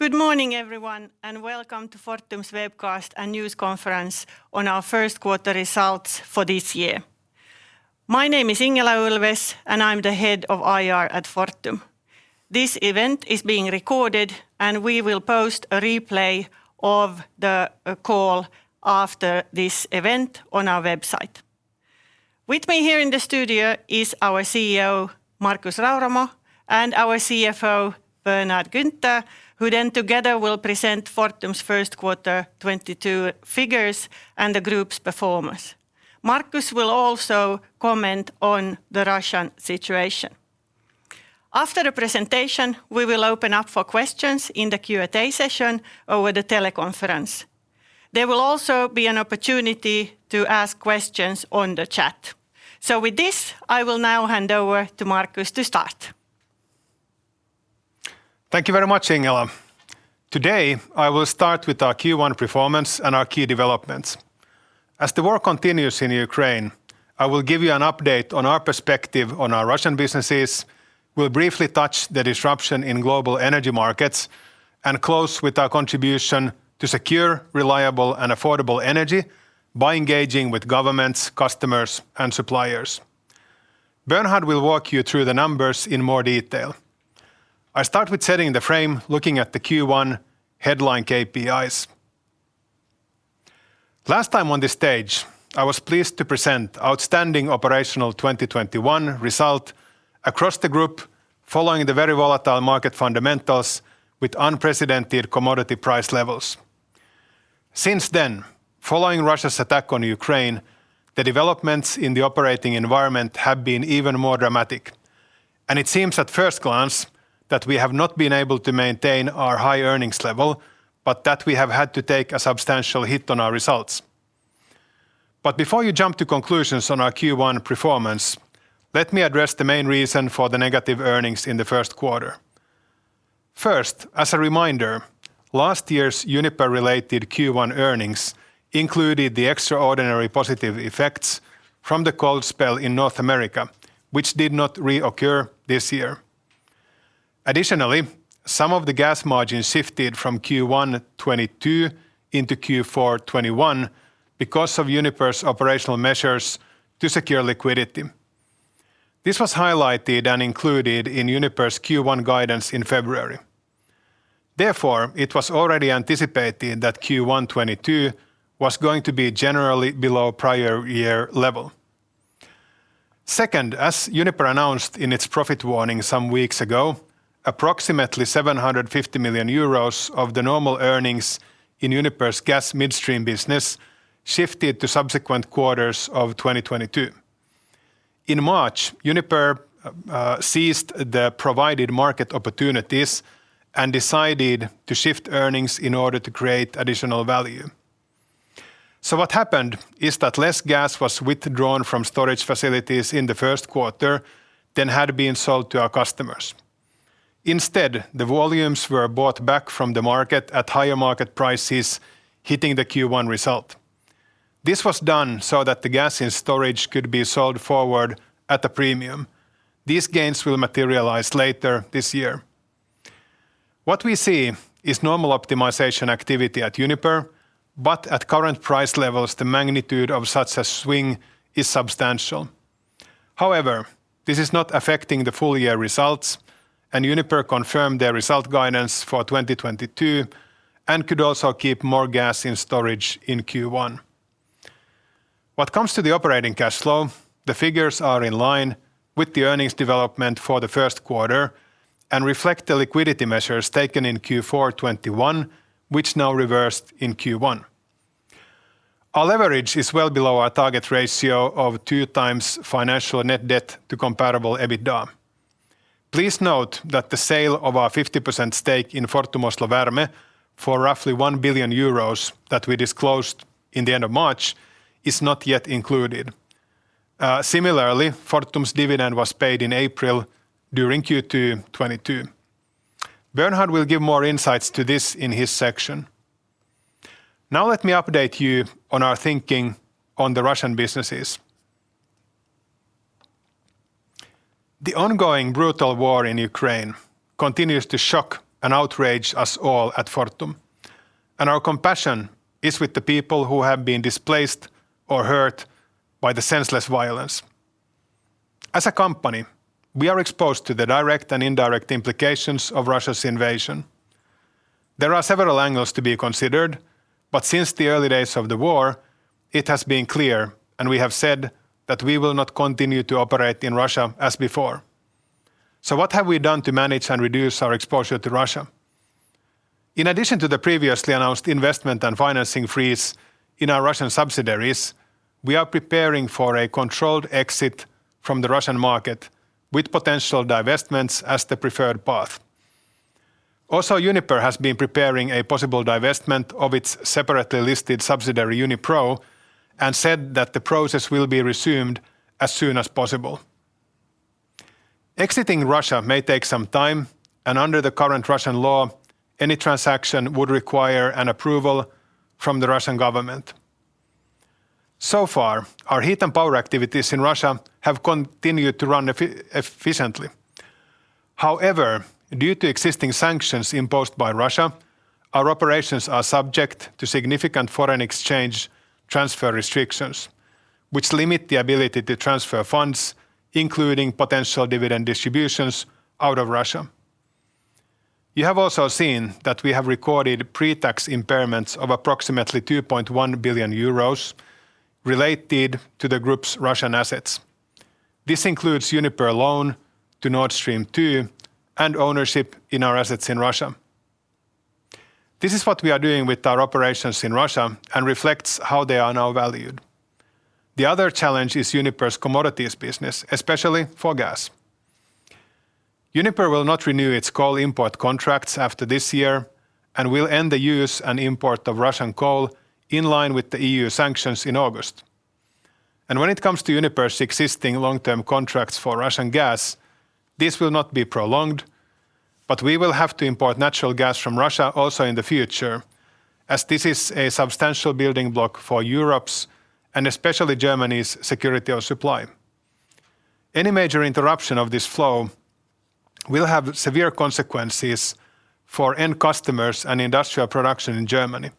Good morning everyone, and welcome to Fortum's webcast and news conference on our first quarter results for this year. My name is Ingela Ulfves, and I'm the head of IR at Fortum. This event is being recorded, and we will post a replay of the call after this event on our website. With me here in the studio is our CEO Markus Rauramo and our CFO Bernhard Günther, who then together will present Fortum's first quarter 2022 figures and the group's performance. Markus will also comment on the Russian situation. After the presentation, we will open up for questions in the Q&A session over the teleconference. There will also be an opportunity to ask questions on the chat. With this, I will now hand over to Markus to start. Thank you very much, Ingela. Today, I will start with our Q1 performance and our key developments. As the war continues in Ukraine, I will give you an update on our perspective on our Russian businesses. We'll briefly touch the disruption in global energy markets, and close with our contribution to secure, reliable, and affordable energy by engaging with governments, customers, and suppliers. Bernhard will walk you through the numbers in more detail. I start with setting the frame looking at the Q1 headline KPIs. Last time on this stage, I was pleased to present outstanding operational 2021 result across the group following the very volatile market fundamentals with unprecedented commodity price levels. Since then, following Russia's attack on Ukraine, the developments in the operating environment have been even more dramatic, and it seems at first glance that we have not been able to maintain our high earnings level, but that we have had to take a substantial hit on our results. Before you jump to conclusions on our Q1 performance, let me address the main reason for the negative earnings in the first quarter. First, as a reminder, last year's Uniper-related Q1 earnings included the extraordinary positive effects from the cold spell in North America, which did not reoccur this year. Additionally, some of the gas margins shifted from Q1 2022 into Q4 2021 because of Uniper's operational measures to secure liquidity. This was highlighted and included in Uniper's Q1 guidance in February. Therefore, it was already anticipated that Q1 2022 was going to be generally below prior year level. Second, as Uniper announced in its profit warning some weeks ago, approximately 750 million euros of the normal earnings in Uniper's gas midstream business shifted to subsequent quarters of 2022. In March, Uniper seized the provided market opportunities and decided to shift earnings in order to create additional value. What happened is that less gas was withdrawn from storage facilities in the first quarter than had been sold to our customers. Instead, the volumes were bought back from the market at higher market prices, hitting the Q1 result. This was done so that the gas in storage could be sold forward at a premium. These gains will materialize later this year. What we see is normal optimization activity at Uniper, but at current price levels, the magnitude of such a swing is substantial. However, this is not affecting the full-year results, and Uniper confirmed their result guidance for 2022 and could also keep more gas in storage in Q1. What comes to the operating cash flow, the figures are in line with the earnings development for the first quarter and reflect the liquidity measures taken in Q4 2021, which now reversed in Q1. Our leverage is well below our target ratio of 2x financial net debt to comparable EBITDA. Please note that the sale of our 50% stake in Fortum Oslo Varme for roughly 1 billion euros that we disclosed in the end of March is not yet included. Similarly, Fortum's dividend was paid in April during Q2 2022. Bernhard will give more insights to this in his section. Now let me update you on our thinking on the Russian businesses. The ongoing brutal war in Ukraine continues to shock and outrage us all at Fortum, and our compassion is with the people who have been displaced or hurt by the senseless violence. As a company, we are exposed to the direct and indirect implications of Russia's invasion. There are several angles to be considered, but since the early days of the war, it has been clear, and we have said that we will not continue to operate in Russia as before. What have we done to manage and reduce our exposure to Russia? In addition to the previously announced investment and financing freeze in our Russian subsidiaries, we are preparing for a controlled exit from the Russian market with potential divestments as the preferred path. Uniper has been preparing a possible divestment of its separately listed subsidiary Unipro, and said that the process will be resumed as soon as possible. Exiting Russia may take some time, and under the current Russian law, any transaction would require an approval from the Russian government. Our heat and power activities in Russia have continued to run efficiently. However, due to existing sanctions imposed by Russia, our operations are subject to significant foreign exchange transfer restrictions, which limit the ability to transfer funds, including potential dividend distributions out of Russia. You have also seen that we have recorded pre-tax impairments of approximately 2.1 billion euros related to the group's Russian assets. This includes Uniper loan to Nord Stream 2 and ownership in our assets in Russia. This is what we are doing with our operations in Russia and reflects how they are now valued. The other challenge is Uniper's commodities business especially for gas. Uniper will not renew its coal import contracts after this year and will end the use and import of Russian coal in line with the EU sanctions in August. When it comes to Uniper's existing long-term contracts for Russian gas, this will not be prolonged, but we will have to import natural gas from Russia also in the future as this is a substantial building block for Europe's and especially Germany's security of supply. Any major interruption of this flow will have severe consequences for end customers and industrial production in Germany.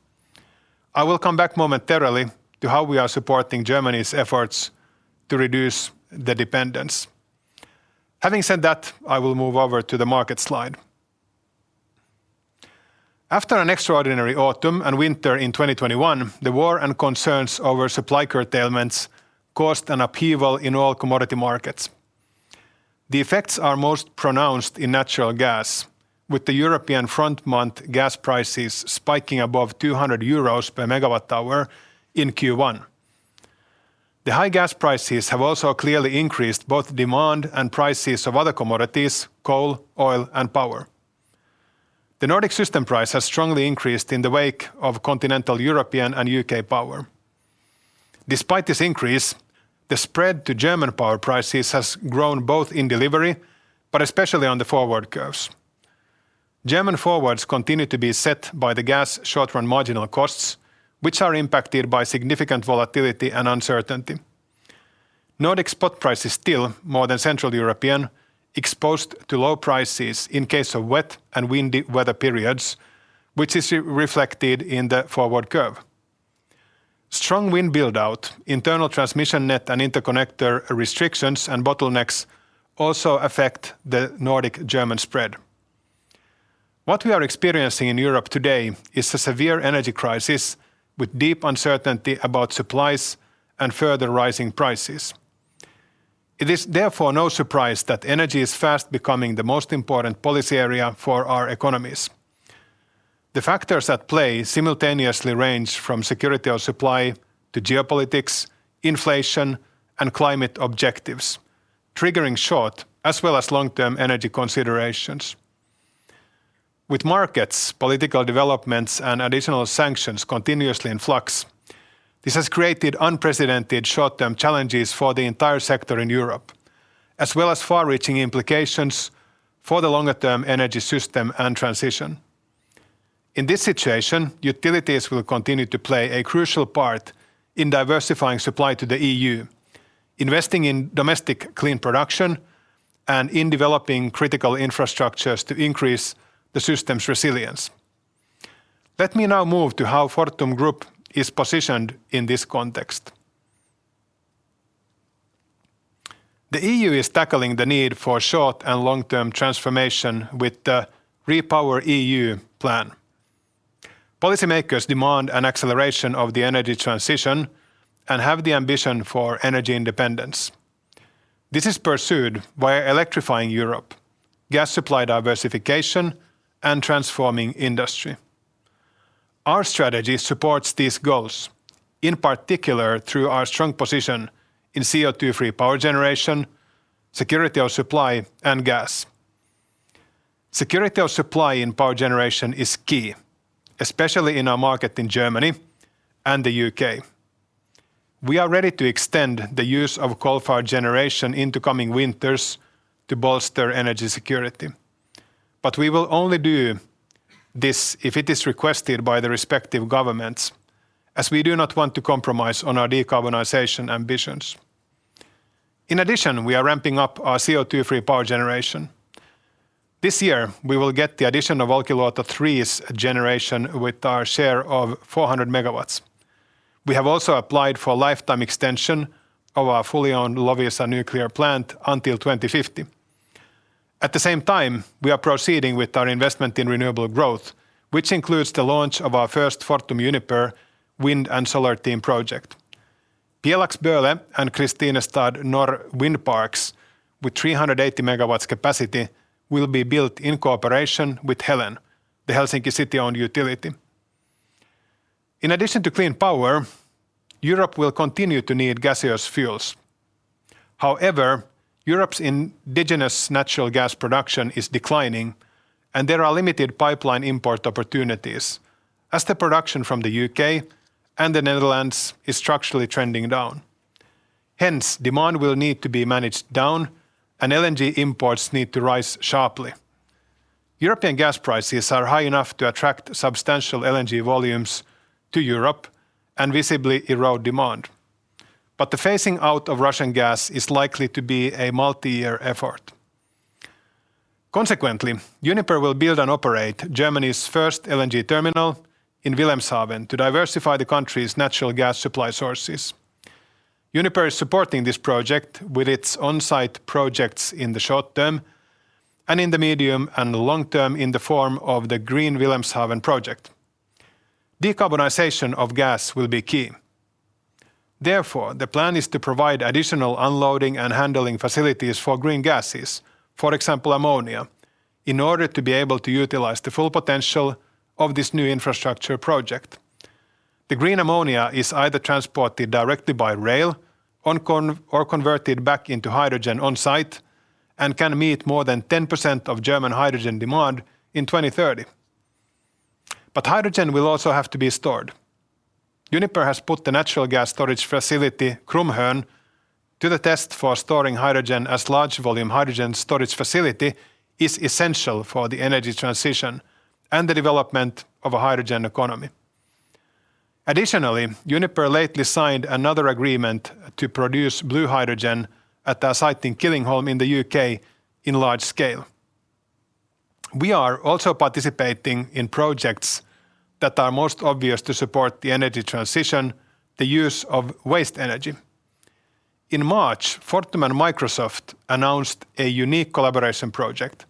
I will come back momentarily to how we are supporting Germany's efforts to reduce the dependence. Having said that, I will move over to the market slide. After an extraordinary autumn and winter in 2021, the war and concerns over supply curtailments caused an upheaval in all commodity markets. The effects are most pronounced in natural gas, with the European front-month gas prices spiking above 200 euros per megawatt hour in Q1. The high gas prices have also clearly increased both demand and prices of other commodities, coal, oil, and power. The Nordic system price has strongly increased in the wake of continental European and U.K. power. Despite this increase, the spread to German power prices has grown both in delivery, but especially on the forward curves. German forwards continue to be set by the gas short-run marginal costs, which are impacted by significant volatility and uncertainty. Nordic spot price is still more than Central European, exposed to low prices in case of wet and windy weather periods, which is reflected in the forward curve. Strong wind build-out, internal transmission net and interconnector restrictions and bottlenecks also affect the Nordic-German spread. What we are experiencing in Europe today is a severe energy crisis with deep uncertainty about supplies and further rising prices. It is therefore no surprise that energy is fast becoming the most important policy area for our economies. The factors at play simultaneously range from security of supply to geopolitics, inflation, and climate objectives, triggering short as well as long-term energy considerations. With markets, political developments, and additional sanctions continuously in flux, this has created unprecedented short-term challenges for the entire sector in Europe, as well as far-reaching implications for the longer-term energy system and transition. In this situation, utilities will continue to play a crucial part in diversifying supply to the EU, investing in domestic clean production, and in developing critical infrastructures to increase the system's resilience. Let me now move to how Fortum Group is positioned in this context. The EU is tackling the need for short and long-term transformation with the REPowerEU plan. Policy-makers demand an acceleration of the energy transition and have the ambition for energy independence. This is pursued via electrifying Europe, gas supply diversification, and transforming industry. Our strategy supports these goals, in particular through our strong position in CO2-free power generation, security of supply, and gas. Security of supply in power generation is key, especially in our market in Germany and the U.K.. We are ready to extend the use of coal-fired generation into coming winters to bolster energy security. We will only do this if it is requested by the respective governments, as we do not want to compromise on our decarbonization ambitions. In addition, we are ramping up our CO2-free power generation. This year, we will get the addition of Olkiluoto 3's generation with our share of 400 MW. We have also applied for lifetime extension of our fully owned Loviisa nuclear plant until 2050. At the same time, we are proceeding with our investment in renewable growth, which includes the launch of our first Fortum Uniper wind and solar team project. Pjelax-Böle and Kristinestad Norr wind parks with 380 MW capacity will be built in cooperation with Helen, the Helsinki City-owned utility. In addition to clean power, Europe will continue to need gaseous fuels. However, Europe's indigenous natural gas production is declining, and there are limited pipeline import opportunities as the production from the U.K. and the Netherlands is structurally trending down. Hence, demand will need to be managed down, and LNG imports need to rise sharply. European gas prices are high enough to attract substantial LNG volumes to Europe and visibly erode demand. The phasing out of Russian gas is likely to be a multi-year effort. Consequently, Uniper will build and operate Germany's first LNG terminal in Wilhelmshaven to diversify the country's natural gas supply sources. Uniper is supporting this project with its on-site projects in the short term and in the medium and long term in the form of the Green Wilhelmshaven project. Decarbonization of gas will be key. Therefore, the plan is to provide additional unloading and handling facilities for green gases, for example, ammonia, in order to be able to utilize the full potential of this new infrastructure project. The green ammonia is either transported directly by rail or converted back into hydrogen on site and can meet more than 10% of German hydrogen demand in 2030. Hydrogen will also have to be stored. Uniper has put the natural gas storage facility Krummhörn to the test for storing hydrogen as a large volume hydrogen storage facility is essential for the energy transition and the development of a hydrogen economy. Additionally, Uniper lately signed another agreement to produce blue hydrogen at our site in Killingholme in the U.K. on a large scale. We are also participating in projects that are most obvious to support the energy transition, the use of waste energy. In March, Fortum and Microsoft announced a unique collaboration project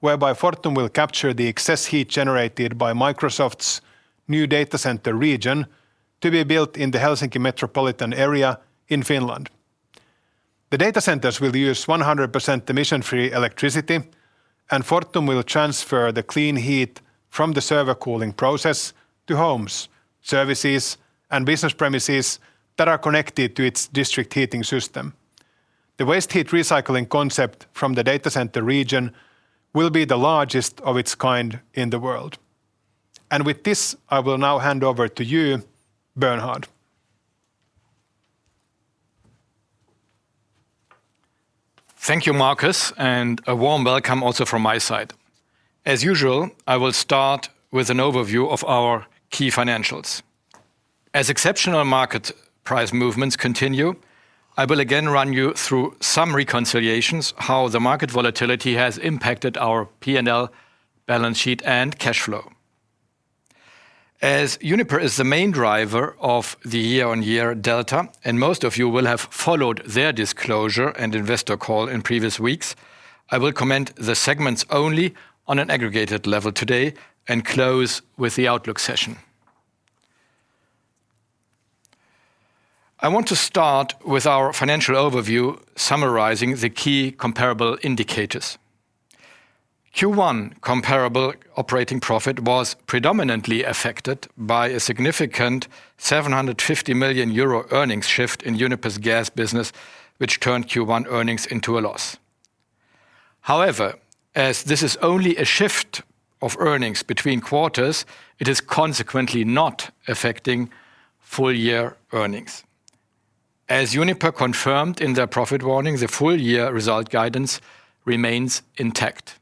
whereby Fortum will capture the excess heat generated by Microsoft's new data center region to be built in the Helsinki metropolitan area in Finland. The data centers will use 100% emission-free electricity, and Fortum will transfer the clean heat from the server cooling process to homes, services, and business premises that are connected to its district heating system. The waste heat recycling concept from the data center region will be the largest of its kind in the world. With this, I will now hand over to you, Bernhard Günther. Thank you, Markus, and a warm welcome also from my side. As usual, I will start with an overview of our key financials. As exceptional market price movements continue, I will again run you through some reconciliations, how the market volatility has impacted our P&L balance sheet and cash flow. As Uniper is the main driver of the year-on-year delta, and most of you will have followed their disclosure and investor call in previous weeks, I will comment the segments only on an aggregated level today and close with the outlook session. I want to start with our financial overview summarizing the key comparable indicators. Q1 comparable operating profit was predominantly affected by a significant 750 million euro earnings shift in Uniper's gas business, which turned Q1 earnings into a loss. However, as this is only a shift of earnings between quarters, it is consequently not affecting full year earnings. As Uniper confirmed in their profit warning, the full year result guidance remains intact.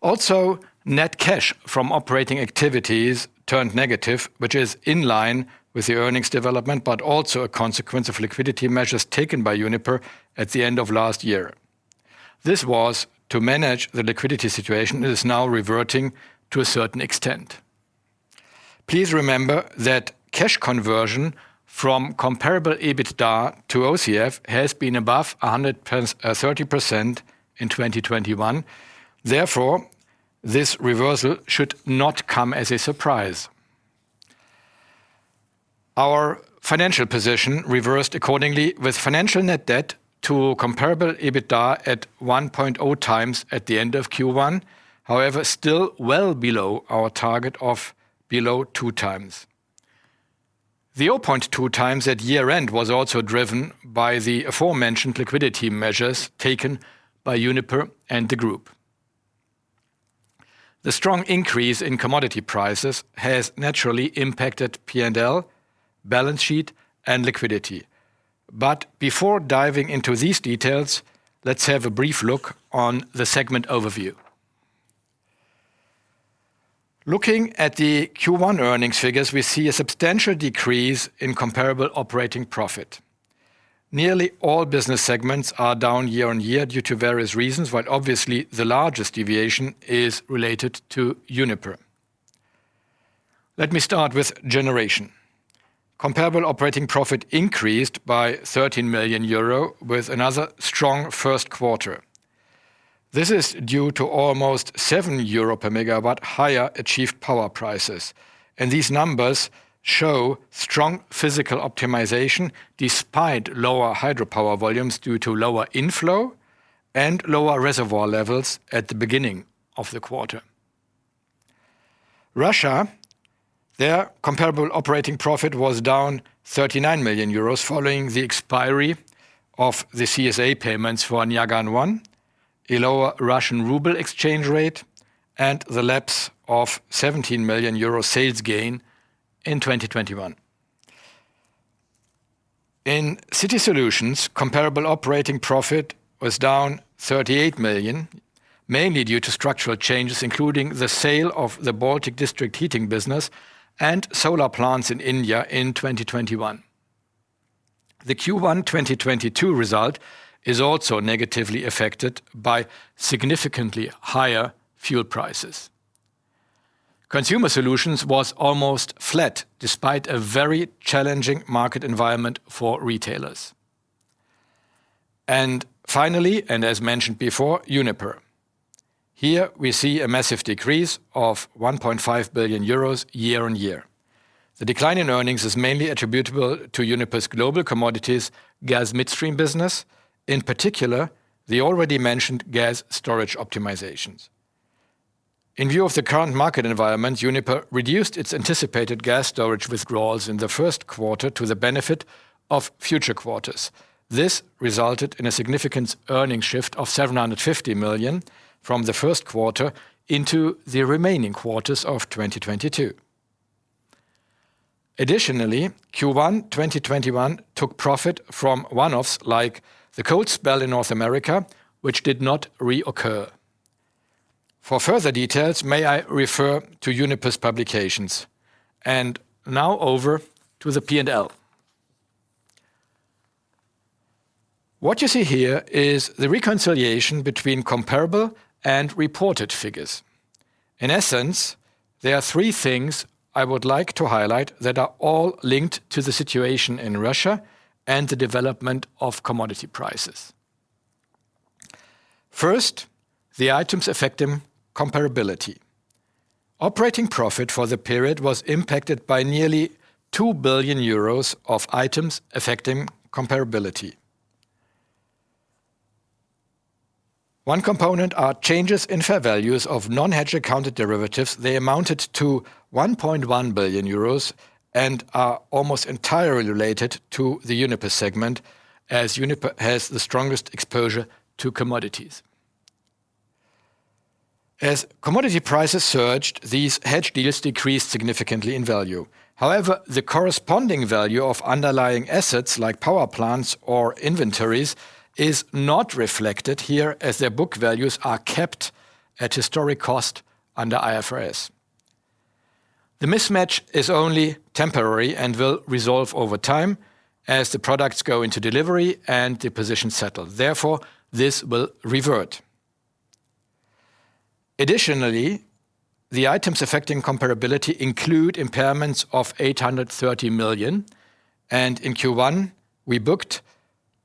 Also, net cash from operating activities turned negative, which is in line with the earnings development, but also a consequence of liquidity measures taken by Uniper at the end of last year. This was to manage the liquidity situation. It is now reverting to a certain extent. Please remember that cash conversion from comparable EBITDA to OCF has been above 130% in 2021. Therefore, this reversal should not come as a surprise. Our financial position reversed accordingly with financial net debt to comparable EBITDA at 1.0x at the end of Q1, however, still well below our target of below 2x. The 0.2x at year-end was also driven by the aforementioned liquidity measures taken by Uniper and the group. The strong increase in commodity prices has naturally impacted P&L, balance sheet, and liquidity. Before diving into these details, let's have a brief look on the segment overview. Looking at the Q1 earnings figures, we see a substantial decrease in comparable operating profit. Nearly all business segments are down year-on-year due to various reasons, but obviously, the largest deviation is related to Uniper. Let me start with generation. Comparable operating profit increased by 13 million euro with another strong first quarter. This is due to almost 7 euro per megawatt higher achieved power prices, and these numbers show strong physical optimization despite lower hydropower volumes due to lower inflow and lower reservoir levels at the beginning of the quarter. Russia, their comparable operating profit was down 39 million euros following the expiry of the CSA payments for Nyagan 1, a lower Russian ruble exchange rate, and the lapse of 17 million euro sales gain in 2021. In City Solutions, comparable operating profit was down 38 million, mainly due to structural changes, including the sale of the Baltic district heating business and solar plants in India in 2021. The Q1 2022 result is also negatively affected by significantly higher fuel prices. Consumer Solutions was almost flat despite a very challenging market environment for retailers. Finally, and as mentioned before, Uniper. Here we see a massive decrease of 1.5 billion euros year-on-year. The decline in earnings is mainly attributable to Uniper's global commodities gas midstream business, in particular the already mentioned gas storage optimizations. In view of the current market environment, Uniper reduced its anticipated gas storage withdrawals in the first quarter to the benefit of future quarters. This resulted in a significant earnings shift of 750 million from the first quarter into the remaining quarters of 2022. Additionally, Q1 2021 took profit from one-offs like the cold spell in North America, which did not reoccur. For further details, may I refer to Uniper's publications. Now over to the P&L. What you see here is the reconciliation between comparable and reported figures. In essence, there are three things I would like to highlight that are all linked to the situation in Russia and the development of commodity prices. First, the items affecting comparability. Operating profit for the period was impacted by nearly 2 billion euros of items affecting comparability. One component are changes in fair values of non-hedge accounted derivatives. They amounted to 1.1 billion euros and are almost entirely related to the Uniper segment, as Uniper has the strongest exposure to commodities. As commodity prices surged, these hedge deals decreased significantly in value. However, the corresponding value of underlying assets like power plants or inventories is not reflected here as their book values are kept at historic cost under IFRS. The mismatch is only temporary and will resolve over time as the products go into delivery and the positions settle. Therefore, this will revert. Additionally, the items affecting comparability include impairments of 830 million and in Q1, we booked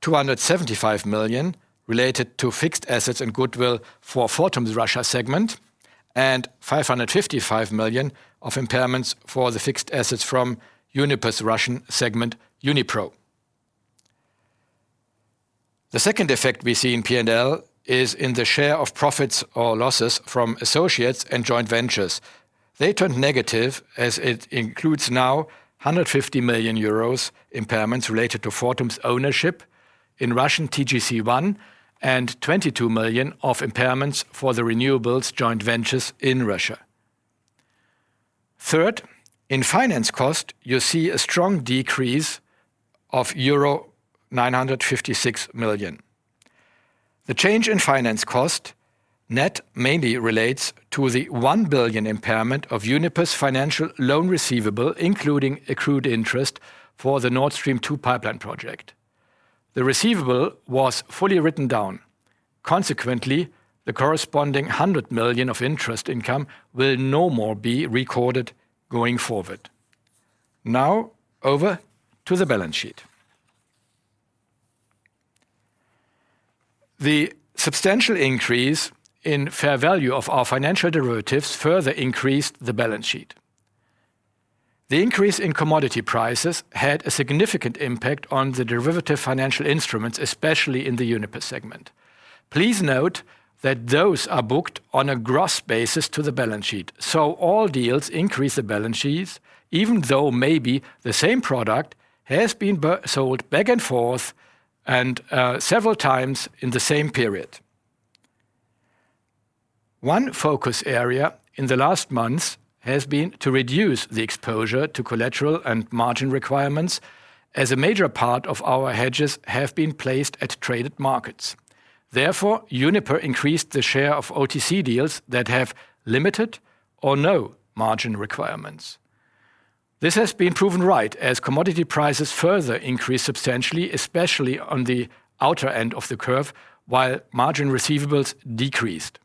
275 million related to fixed assets and goodwill for Fortum's Russia segment and 555 million of impairments for the fixed assets from Uniper's Russian segment, Unipro. The second effect we see in P&L is in the share of profits or losses from associates and joint ventures. They turned negative as it includes now 150 million euros impairments related to Fortum's ownership in Russian TGC-1 and 22 million of impairments for the renewables joint ventures in Russia. Third, in finance cost, you see a strong decrease of euro 956 million. The change in finance cost net mainly relates to the 1 billion impairment of Uniper's financial loan receivable, including accrued interest for the Nord Stream 2 pipeline project. The receivable was fully written down. Consequently, the corresponding 100 million of interest income will no more be recorded going forward. Now over to the balance sheet. The substantial increase in fair value of our financial derivatives further increased the balance sheet. The increase in commodity prices had a significant impact on the derivative financial instruments, especially in the Uniper segment. Please note that those are booked on a gross basis to the balance sheet, so all deals increase the balance sheets, even though maybe the same product has been sold back and forth and several times in the same period. One focus area in the last months has been to reduce the exposure to collateral and margin requirements as a major part of our hedges have been placed at traded markets. Therefore, Uniper increased the share of LTC deals that have limited or no margin requirements. This has been proven right as commodity prices further increased substantially, especially on the outer end of the curve while margin receivables decreased.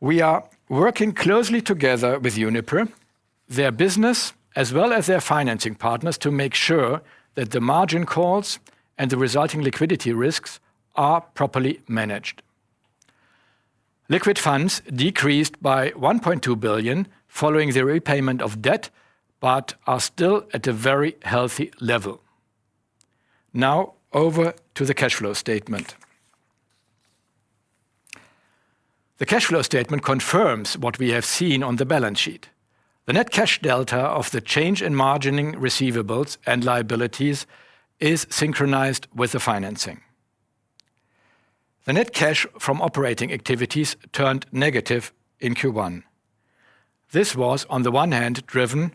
We are working closely together with Uniper, their business, as well as their financing partners to make sure that the margin calls and the resulting liquidity risks are properly managed. Liquid funds decreased by 1.2 billion following the repayment of debt, but are still at a very healthy level. Now over to the cash flow statement. The cash flow statement confirms what we have seen on the balance sheet. The net cash delta of the change in margining receivables and liabilities is synchronized with the financing. The net cash from operating activities turned negative in Q1. This was, on the one hand, driven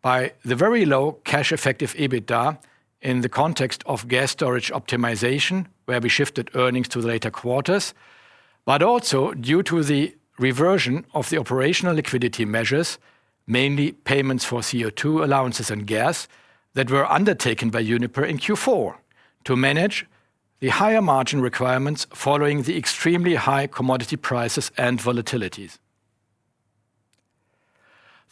by the very low cash effective EBITDA in the context of gas storage optimization, where we shifted earnings to the later quarters, but also due to the reversion of the operational liquidity measures, mainly payments for CO2 allowances and gas that were undertaken by Uniper in Q4 to manage the higher margin requirements following the extremely high commodity prices and volatilities.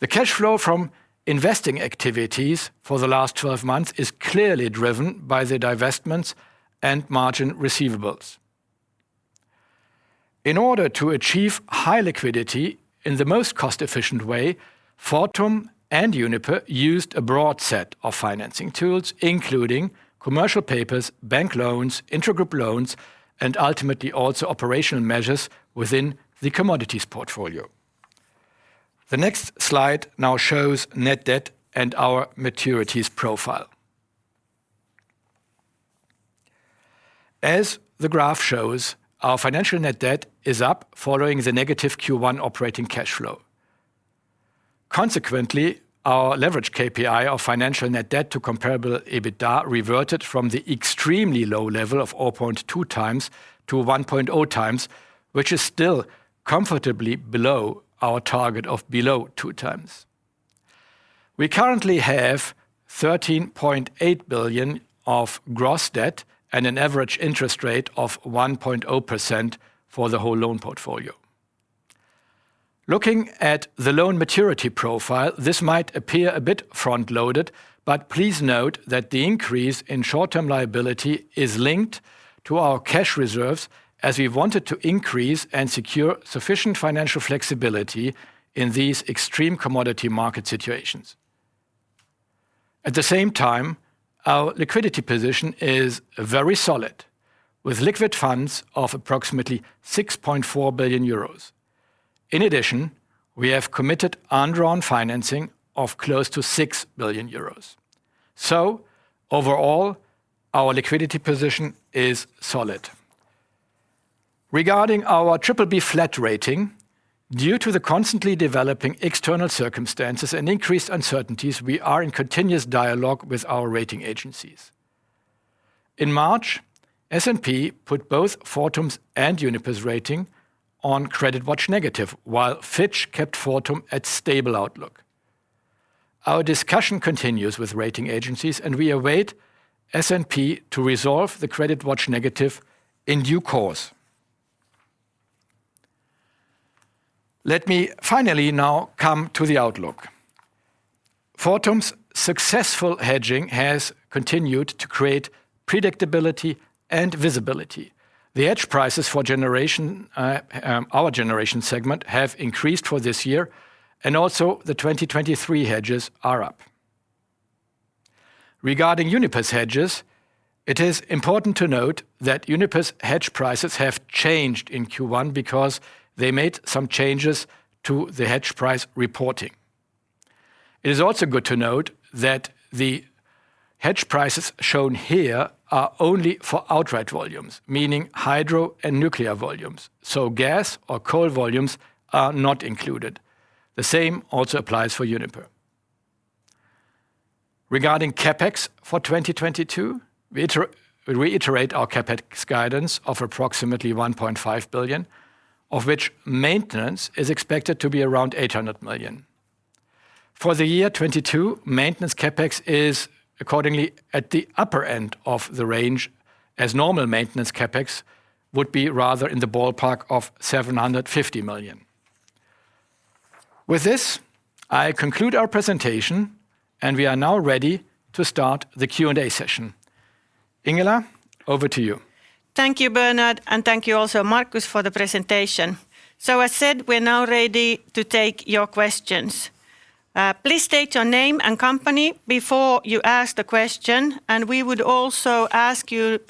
The cash flow from investing activities for the last twelve months is clearly driven by the divestments and margin receivables. In order to achieve high liquidity in the most cost-efficient way, Fortum and Uniper used a broad set of financing tools, including commercial papers, bank loans, intragroup loans, and ultimately also operational measures within the commodities portfolio. The next slide now shows net debt and our maturities profile. As the graph shows, our financial net debt is up following the negative Q1 operating cash flow. Consequently, our leverage KPI of financial net debt to comparable EBITDA reverted from the extremely low level of 0.2x to 1.0x, which is still comfortably below our target of below 2x. We currently have 13.8 billion of gross debt and an average interest rate of 1.0% for the whole loan portfolio. Looking at the loan maturity profile, this might appear a bit front-loaded, but please note that the increase in short-term liability is linked to our cash reserves as we wanted to increase and secure sufficient financial flexibility in these extreme commodity market situations. At the same time, our liquidity position is very solid, with liquid funds of approximately 6.4 billion euros. In addition, we have committed undrawn financing of close to 6 billion euros. Overall, our liquidity position is solid. Regarding our BBB flat rating, due to the constantly developing external circumstances and increased uncertainties, we are in continuous dialogue with our rating agencies. In March, S&P put both Fortum's and Uniper's rating on credit watch negative, while Fitch kept Fortum at stable outlook. Our discussion continues with rating agencies, and we await S&P to resolve the credit watch negative in due course. Let me finally now come to the outlook. Fortum's successful hedging has continued to create predictability and visibility. The hedge prices for generation, our generation segment have increased for this year, and also the 2023 hedges are up. Regarding Uniper's hedges, it is important to note that Uniper's hedge prices have changed in Q1 because they made some changes to the hedge price reporting. It is also good to note that the hedge prices shown here are only for outright volumes, meaning hydro and nuclear volumes, so gas or coal volumes are not included. The same also applies for Uniper. Regarding CapEx for 2022, we reiterate our CapEx guidance of approximately 1.5 billion, of which maintenance is expected to be around 800 million. For the year 2022, maintenance CapEx is accordingly at the upper end of the range, as normal maintenance CapEx would be rather in the ballpark of 750 million. With this, I conclude our presentation and we are now ready to start the Q&A session. Ingela, over to you. Thank you, Bernhard, and thank you also, Markus, for the presentation. As said, we're now ready to take your questions. Please state your name and company before you ask the question, and we would also ask you,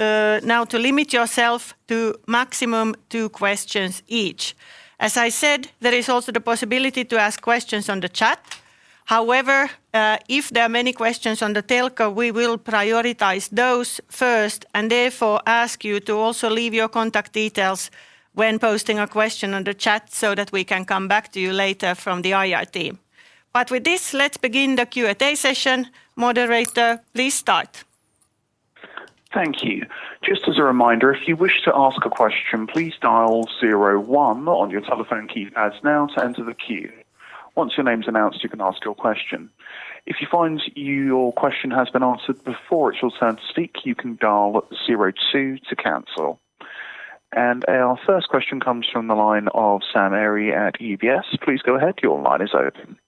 now to limit yourself to maximum two questions each. As I said, there is also the possibility to ask questions on the chat. However, if there are many questions on the telco, we will prioritize those first and therefore ask you to also leave your contact details when posting a question on the chat so that we can come back to you later from the IR team. With this, let's begin the Q&A session. Moderator, please start. Thank you. Just as a reminder, if you wish to ask a question, please dial zero one on your telephone keypads now to enter the queue. Once your name's announced, you can ask your question. If you find your question has been answered before it's your turn to speak, you can dial zero two to cancel. Our first question comes from the line of Sam Arie at UBS. Please go ahead. Your line is open.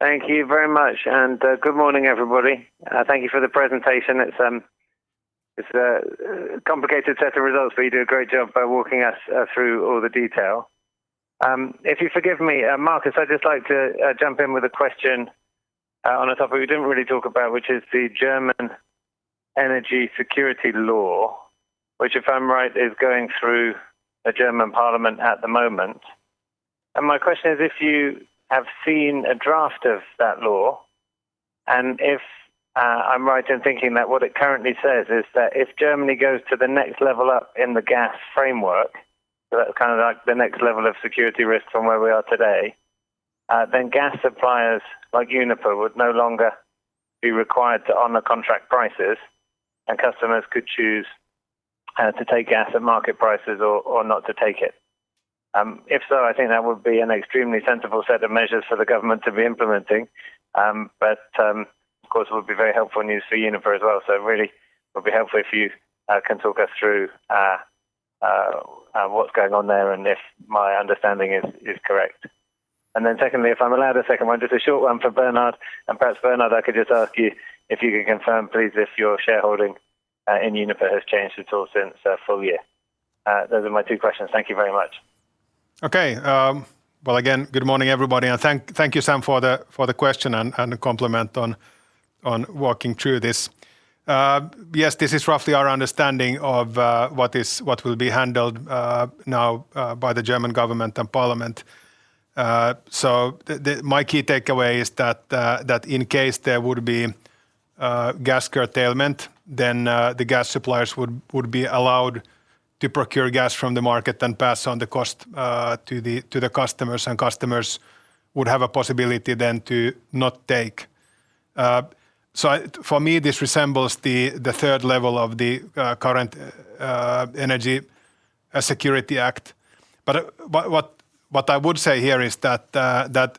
Thank you very much. Good morning, everybody. Thank you for the presentation. It's a complicated set of results, but you do a great job by walking us through all the detail. If you forgive me, Markus, I'd just like to jump in with a question on a topic we didn't really talk about, which is the German Energy Security Law, which, if I'm right, is going through the German parliament at the moment. My question is if you have seen a draft of that law, and if I'm right in thinking that what it currently says is that if Germany goes to the next level up in the gas framework, so that's kind of like the next level of security risk from where we are today, then gas suppliers like Uniper would no longer be required to honor contract prices and customers could choose to take gas at market prices or not to take it. If so, I think that would be an extremely sensible set of measures for the government to be implementing. Of course it would be very helpful news for Uniper as well. Really it would be helpful if you can talk us through what's going on there and if my understanding is correct. Then secondly, if I'm allowed a second one, just a short one for Bernhard, and perhaps Bernhard I could just ask you if you could confirm please if your shareholding in Uniper has changed at all since full year. Those are my two questions. Thank you very much. Okay. Well, again, good morning everybody, and thank you, Sam, for the question and a compliment on walking through this. Yes, this is roughly our understanding of what will be handled now by the German government and parliament. My key takeaway is that in case there would be gas curtailment, then the gas suppliers would be allowed to procure gas from the market then pass on the cost to the customers, and customers would have a possibility then to not take. For me, this resembles the 3rd level of the current Energy Security Act. What I would say here is that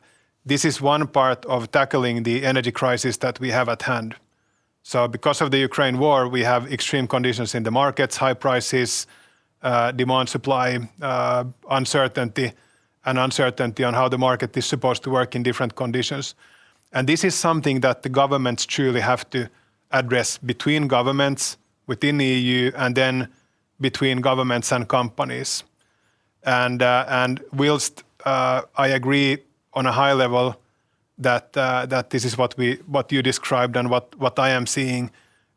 this is one part of tackling the energy crisis that we have at hand. Because of the Ukraine war, we have extreme conditions in the markets, high prices, demand, supply, uncertainty on how the market is supposed to work in different conditions. While I agree on a high level that this is what you described and what I am seeing,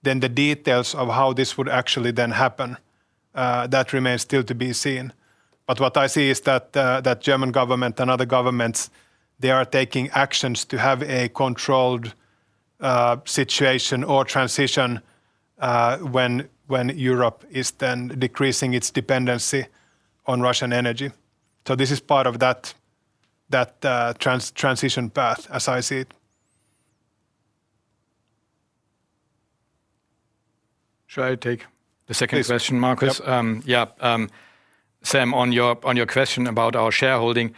then the details of how this would actually then happen, that remains still to be seen. What I see is that German government and other governments, they are taking actions to have a controlled situation or transition when Europe is then decreasing its dependency on Russian energy. This is part of that transition path as I see it. Should I take the second question, Markus? Please. Yep. Sam, on your question about our shareholding,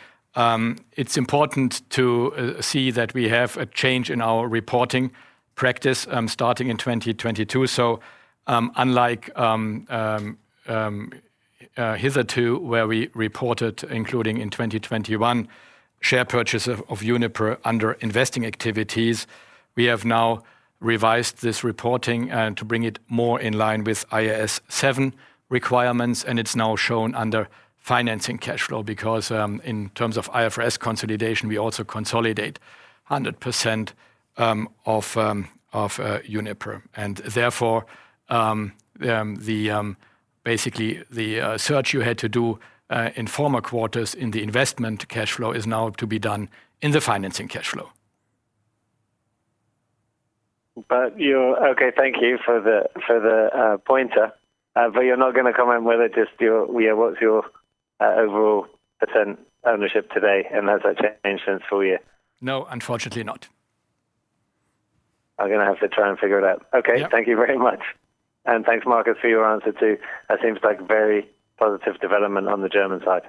it's important to see that we have a change in our reporting practice starting in 2022. Unlike hitherto, where we reported including in 2021, share purchase of Uniper under investing activities, we have now revised this reporting to bring it more in line with IAS 7 requirements and it's now shown under financing cash flow because, in terms of IFRS consolidation, we also consolidate 100% of Uniper. Therefore, basically the search you had to do in former quarters in the investment cash flow is now to be done in the financing cash flow. Okay, thank you for the pointer. You're not gonna comment. Yeah, what's your overall percent ownership today, and has that changed since full year? No, unfortunately not. I'm gonna have to try and figure it out. Yeah. Okay. Thank you very much. Thanks, Markus, for your answer, too. That seems like very positive development on the German side.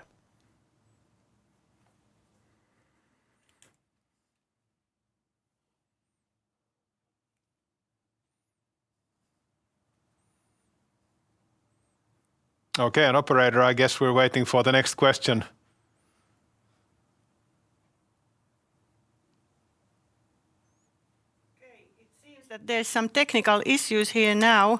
Okay. Operator, I guess we're waiting for the next question. Okay. It seems that there's some technical issues here now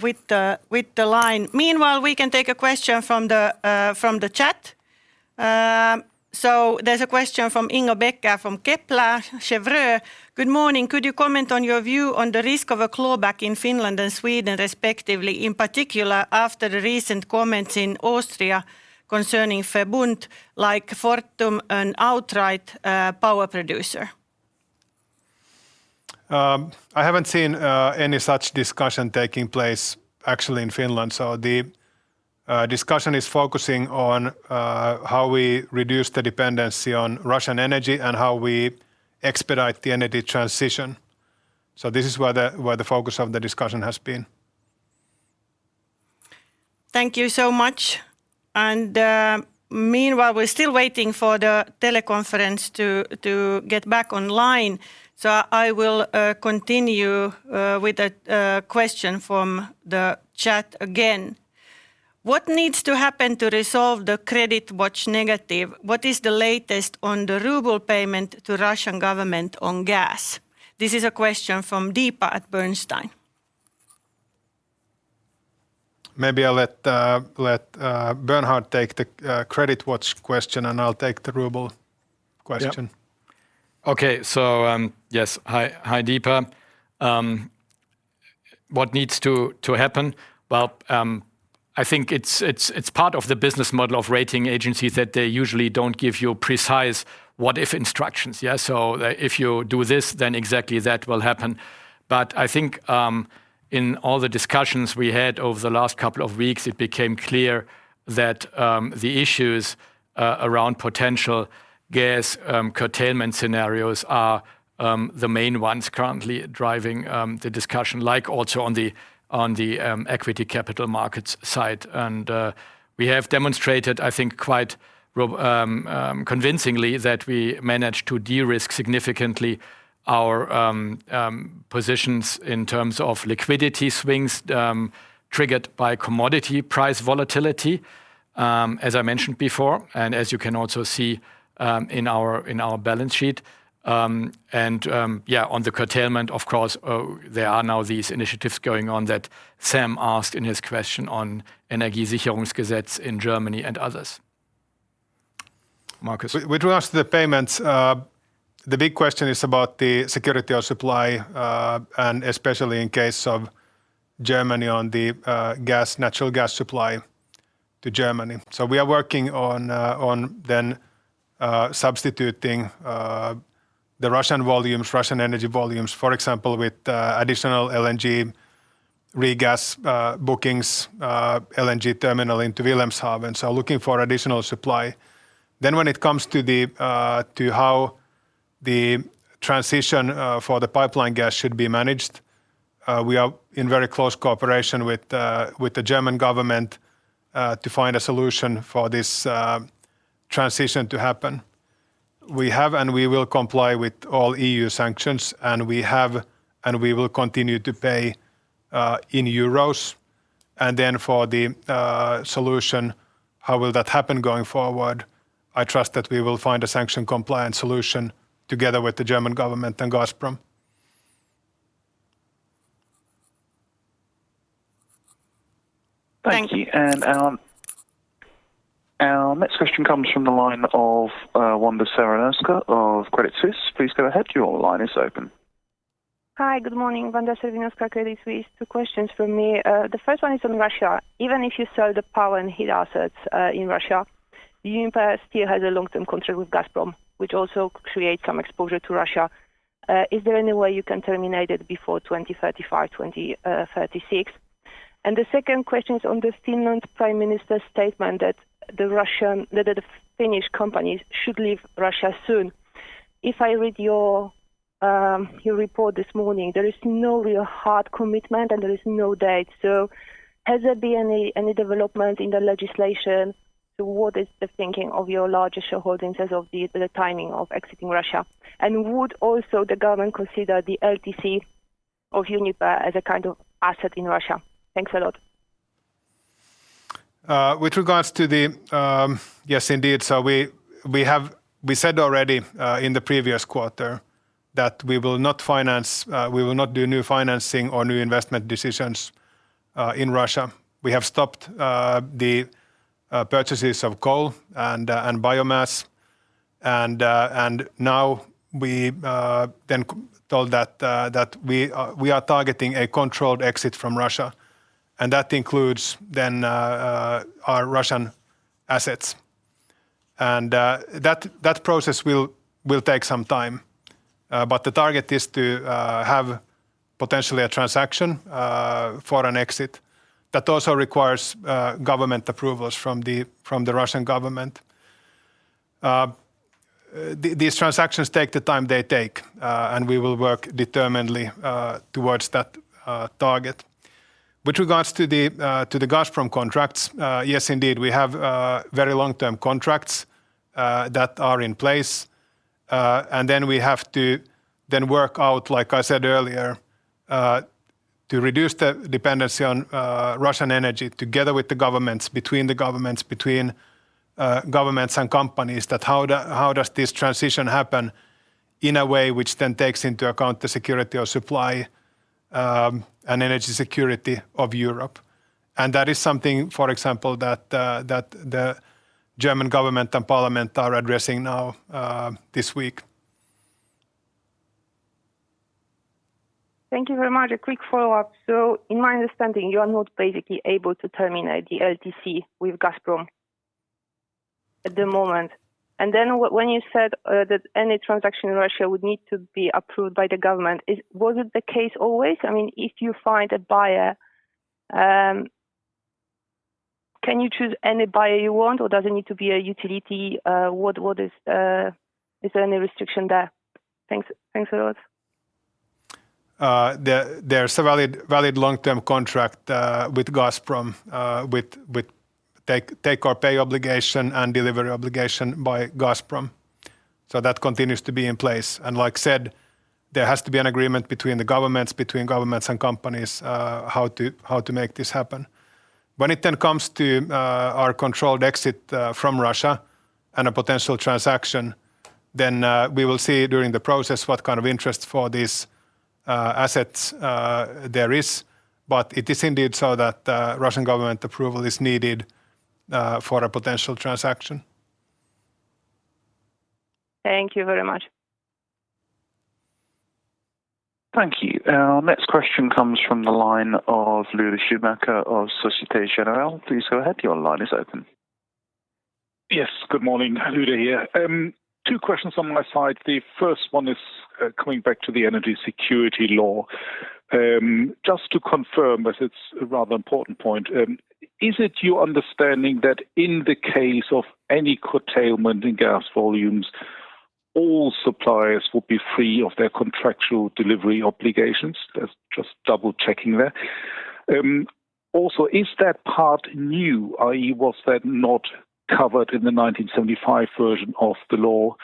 with the line. Meanwhile, we can take a question from the chat. There's a question from Ingo Becker from Kepler Cheuvreux. Good morning. Could you comment on your view on the risk of a clawback in Finland and Sweden respectively, in particular after the recent comments in Austria concerning VERBUND, like Fortum, an outright power producer? I haven't seen any such discussion taking place actually in Finland. The discussion is focusing on how we reduce the dependency on Russian energy and how we expedite the energy transition. This is where the focus of the discussion has been. Thank you so much. Meanwhile we're still waiting for the teleconference to get back online, so I will continue with a question from the chat again. What needs to happen to resolve the credit watch negative? What is the latest on the ruble payment to Russian government on gas? This is a question from Deepa at Bernstein. Maybe I'll let Bernhard take the credit watch question and I'll take the ruble question. Yeah. Okay. Yes. Hi. Hi, Deepa. What needs to happen? Well, I think it's part of the business model of rating agencies that they usually don't give you precise what-if instructions, yeah. If you do this, then exactly that will happen. I think in all the discussions we had over the last couple of weeks, it became clear that the issues around potential gas curtailment scenarios are the main ones currently driving the discussion, like also on the equity capital markets side. We have demonstrated, I think, quite convincingly that we managed to de-risk significantly our positions in terms of liquidity swings triggered by commodity price volatility, as I mentioned before and as you can also see in our balance sheet. On the curtailment, of course, there are now these initiatives going on that Sam asked in his question on Energiesicherungsgesetz in Germany and others. With regards to the payments, the big question is about the security of supply, and especially in case of Germany on the natural gas supply to Germany. We are working on substituting the Russian energy volumes, for example, with additional LNG regas bookings, LNG terminal into Wilhelmshaven, so looking for additional supply. When it comes to how the transition for the pipeline gas should be managed, we are in very close cooperation with the German government to find a solution for this transition to happen. We have and we will comply with all EU sanctions, and we have and we will continue to pay in euros. For the solution, how will that happen going forward? I trust that we will find a sanction compliance solution together with the German government and Gazprom. Thank you. Our next question comes from the line of Wanda Serwinowska of Credit Suisse. Please go ahead, your line is open. Hi, good morning. Wanda Serwinowska, Credit Suisse. Two questions from me. The first one is on Russia. Even if you sell the power and heat assets in Russia, the Uniper still has a long-term contract with Gazprom, which also creates some exposure to Russia. Is there any way you can terminate it before 2035, 2036? And the second question is on the Finnish Prime Minister's statement that the Finnish companies should leave Russia soon. If I read your report this morning, there is no real hard commitment, and there is no date. Has there been any development in the legislation? What is the thinking of your largest shareholder as of the timing of exiting Russia? And would also the government consider the LTC of Uniper as a kind of asset in Russia? Thanks a lot. With regards to the. Yes, indeed. We have said already in the previous quarter that we will not finance, we will not do new financing or new investment decisions in Russia. We have stopped the purchases of coal and biomass, and now we then told that we are targeting a controlled exit from Russia, and that includes our Russian assets. That process will take some time, but the target is to have potentially a transaction for an exit that also requires government approvals from the Russian government. These transactions take the time they take, and we will work determinedly towards that target. With regards to the Gazprom contracts, yes, indeed, we have very long-term contracts that are in place. We have to work out, like I said earlier, to reduce the dependency on Russian energy together with the governments, between governments and companies, how does this transition happen in a way which then takes into account the security of supply, and energy security of Europe. That is something, for example, that the German government and parliament are addressing now, this week. Thank you very much. A quick follow-up. In my understanding, you are not basically able to terminate the LTC with Gazprom at the moment. When you said that any transaction in Russia would need to be approved by the government, was it the case always? I mean, if you find a buyer, can you choose any buyer you want, or does it need to be a utility? Is there any restriction there? Thanks. Thanks a lot. There's a valid long-term contract with Gazprom with take or pay obligation and delivery obligation by Gazprom. So that continues to be in place. Like said, there has to be an agreement between the governments and companies how to make this happen. When it then comes to our controlled exit from Russia and a potential transaction, then we will see during the process what kind of interest for these assets there is. It is indeed so that Russian government approval is needed for a potential transaction. Thank you very much. Thank you. Our next question comes from the line of Lueder Schumacher of Société Générale. Please go ahead. Your line is open. Yes. Good morning. Lueder here. Two questions on my side. The first one is coming back to the energy security law. Just to confirm, as it's a rather important point, is it your understanding that in the case of any curtailment in gas volumes, all suppliers will be free of their contractual delivery obligations? Just double-checking there. Also, is that part new or was that not covered in the 1975 version of the law?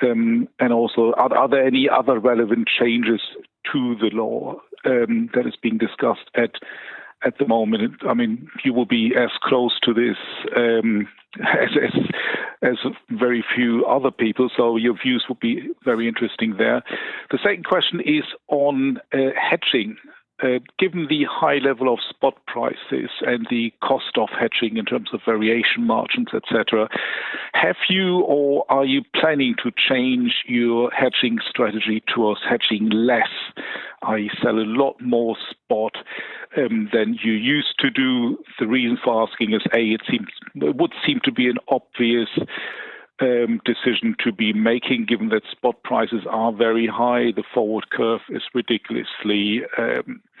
And also, are there any other relevant changes to the law that is being discussed at the moment? I mean, you will be as close to this as very few other people, so your views would be very interesting there. The second question is on hedging. Given the high level of spot prices and the cost of hedging in terms of variation margins, et cetera, have you or are you planning to change your hedging strategy towards hedging less or sell a lot more spot than you used to do? The reason for asking is, A, it would seem to be an obvious decision to be making given that spot prices are very high, the forward curve is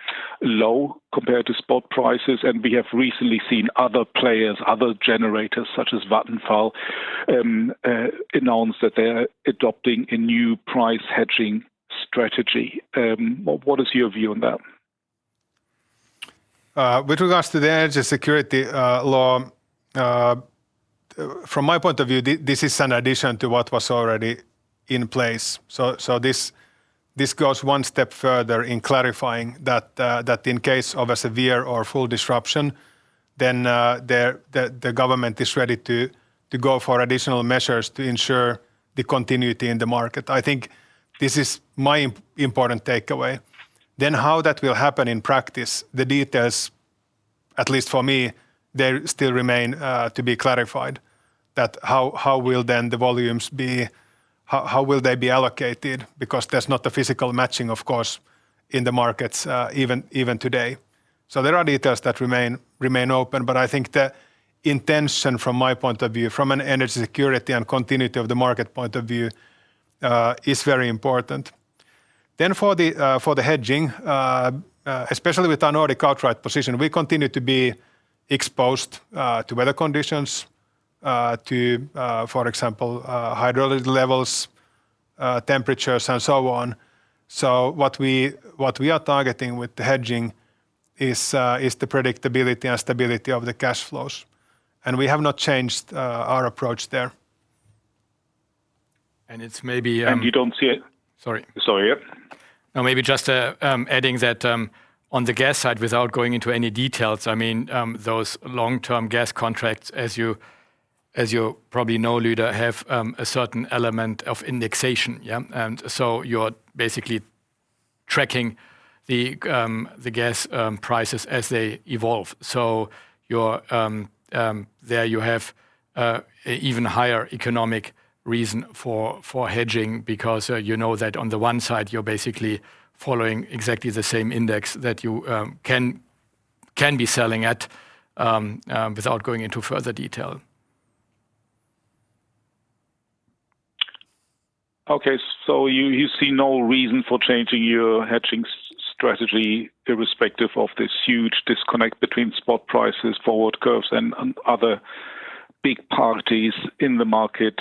ridiculously low compared to spot prices, and we have recently seen other players, other generators, such as Vattenfall, announce that they're adopting a new price hedging strategy. What is your view on that? With regards to the energy security law, from my point of view, this is an addition to what was already in place. This goes one step further in clarifying that in case of a severe or full disruption, the government is ready to go for additional measures to ensure the continuity in the market. I think this is my important takeaway. How that will happen in practice, the details, at least for me, they still remain to be clarified. How will then the volumes be allocated? Because that's not the physical matching, of course, in the markets, even today. There are details that remain open, but I think the intention from my point of view, from an energy security and continuity of the market point of view, is very important. For the hedging, especially with our Nordic outright position, we continue to be exposed to weather conditions, to, for example, hydrology levels, temperatures, and so on. What we are targeting with the hedging is the predictability and stability of the cash flows. We have not changed our approach there. And it's maybe... You don't see it? Sorry. Sorry. Yeah. No, maybe just adding that on the gas side, without going into any details, I mean, those long-term gas contracts, as you probably know, Lueder, have a certain element of indexation. Yeah. You're basically tracking the gas prices as they evolve. There you have even higher economic reason for hedging because you know that on the one side you're basically following exactly the same index that you can be selling at without going into further detail. Okay. You see no reason for changing your hedging strategy irrespective of this huge disconnect between spot prices, forward curves, and other big parties in the market,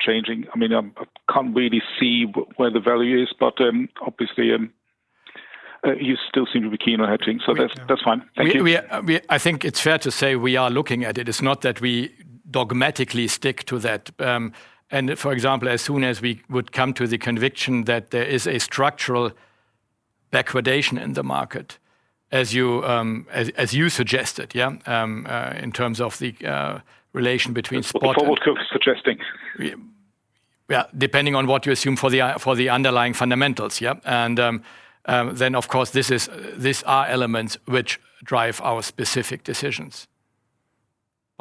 changing. I mean, I can't really see where the value is, but obviously, you still seem to be keen on hedging. Yeah. That's fine. Thank you. I think it's fair to say we are looking at it. It's not that we dogmatically stick to that. For example, as soon as we would come to the conviction that there is a structural backwardation in the market, as you suggested, in terms of the relation between spot. That's what the forward curve is suggesting. Depending on what you assume for the underlying fundamentals, yeah. Then, of course, these are elements which drive our specific decisions.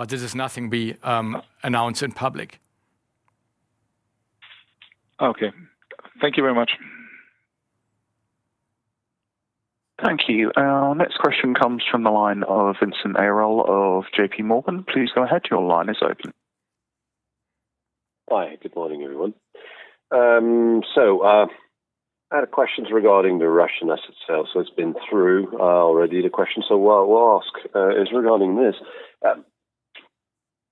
This is nothing we announce in public. Okay. Thank you very much. Thank you. Our next question comes from the line of Vincent Ayral of JPMorgan. Please go ahead, your line is open. Hi. Good morning, everyone. I had questions regarding the Russian asset sale. It's been through already the question. What I will ask is regarding this.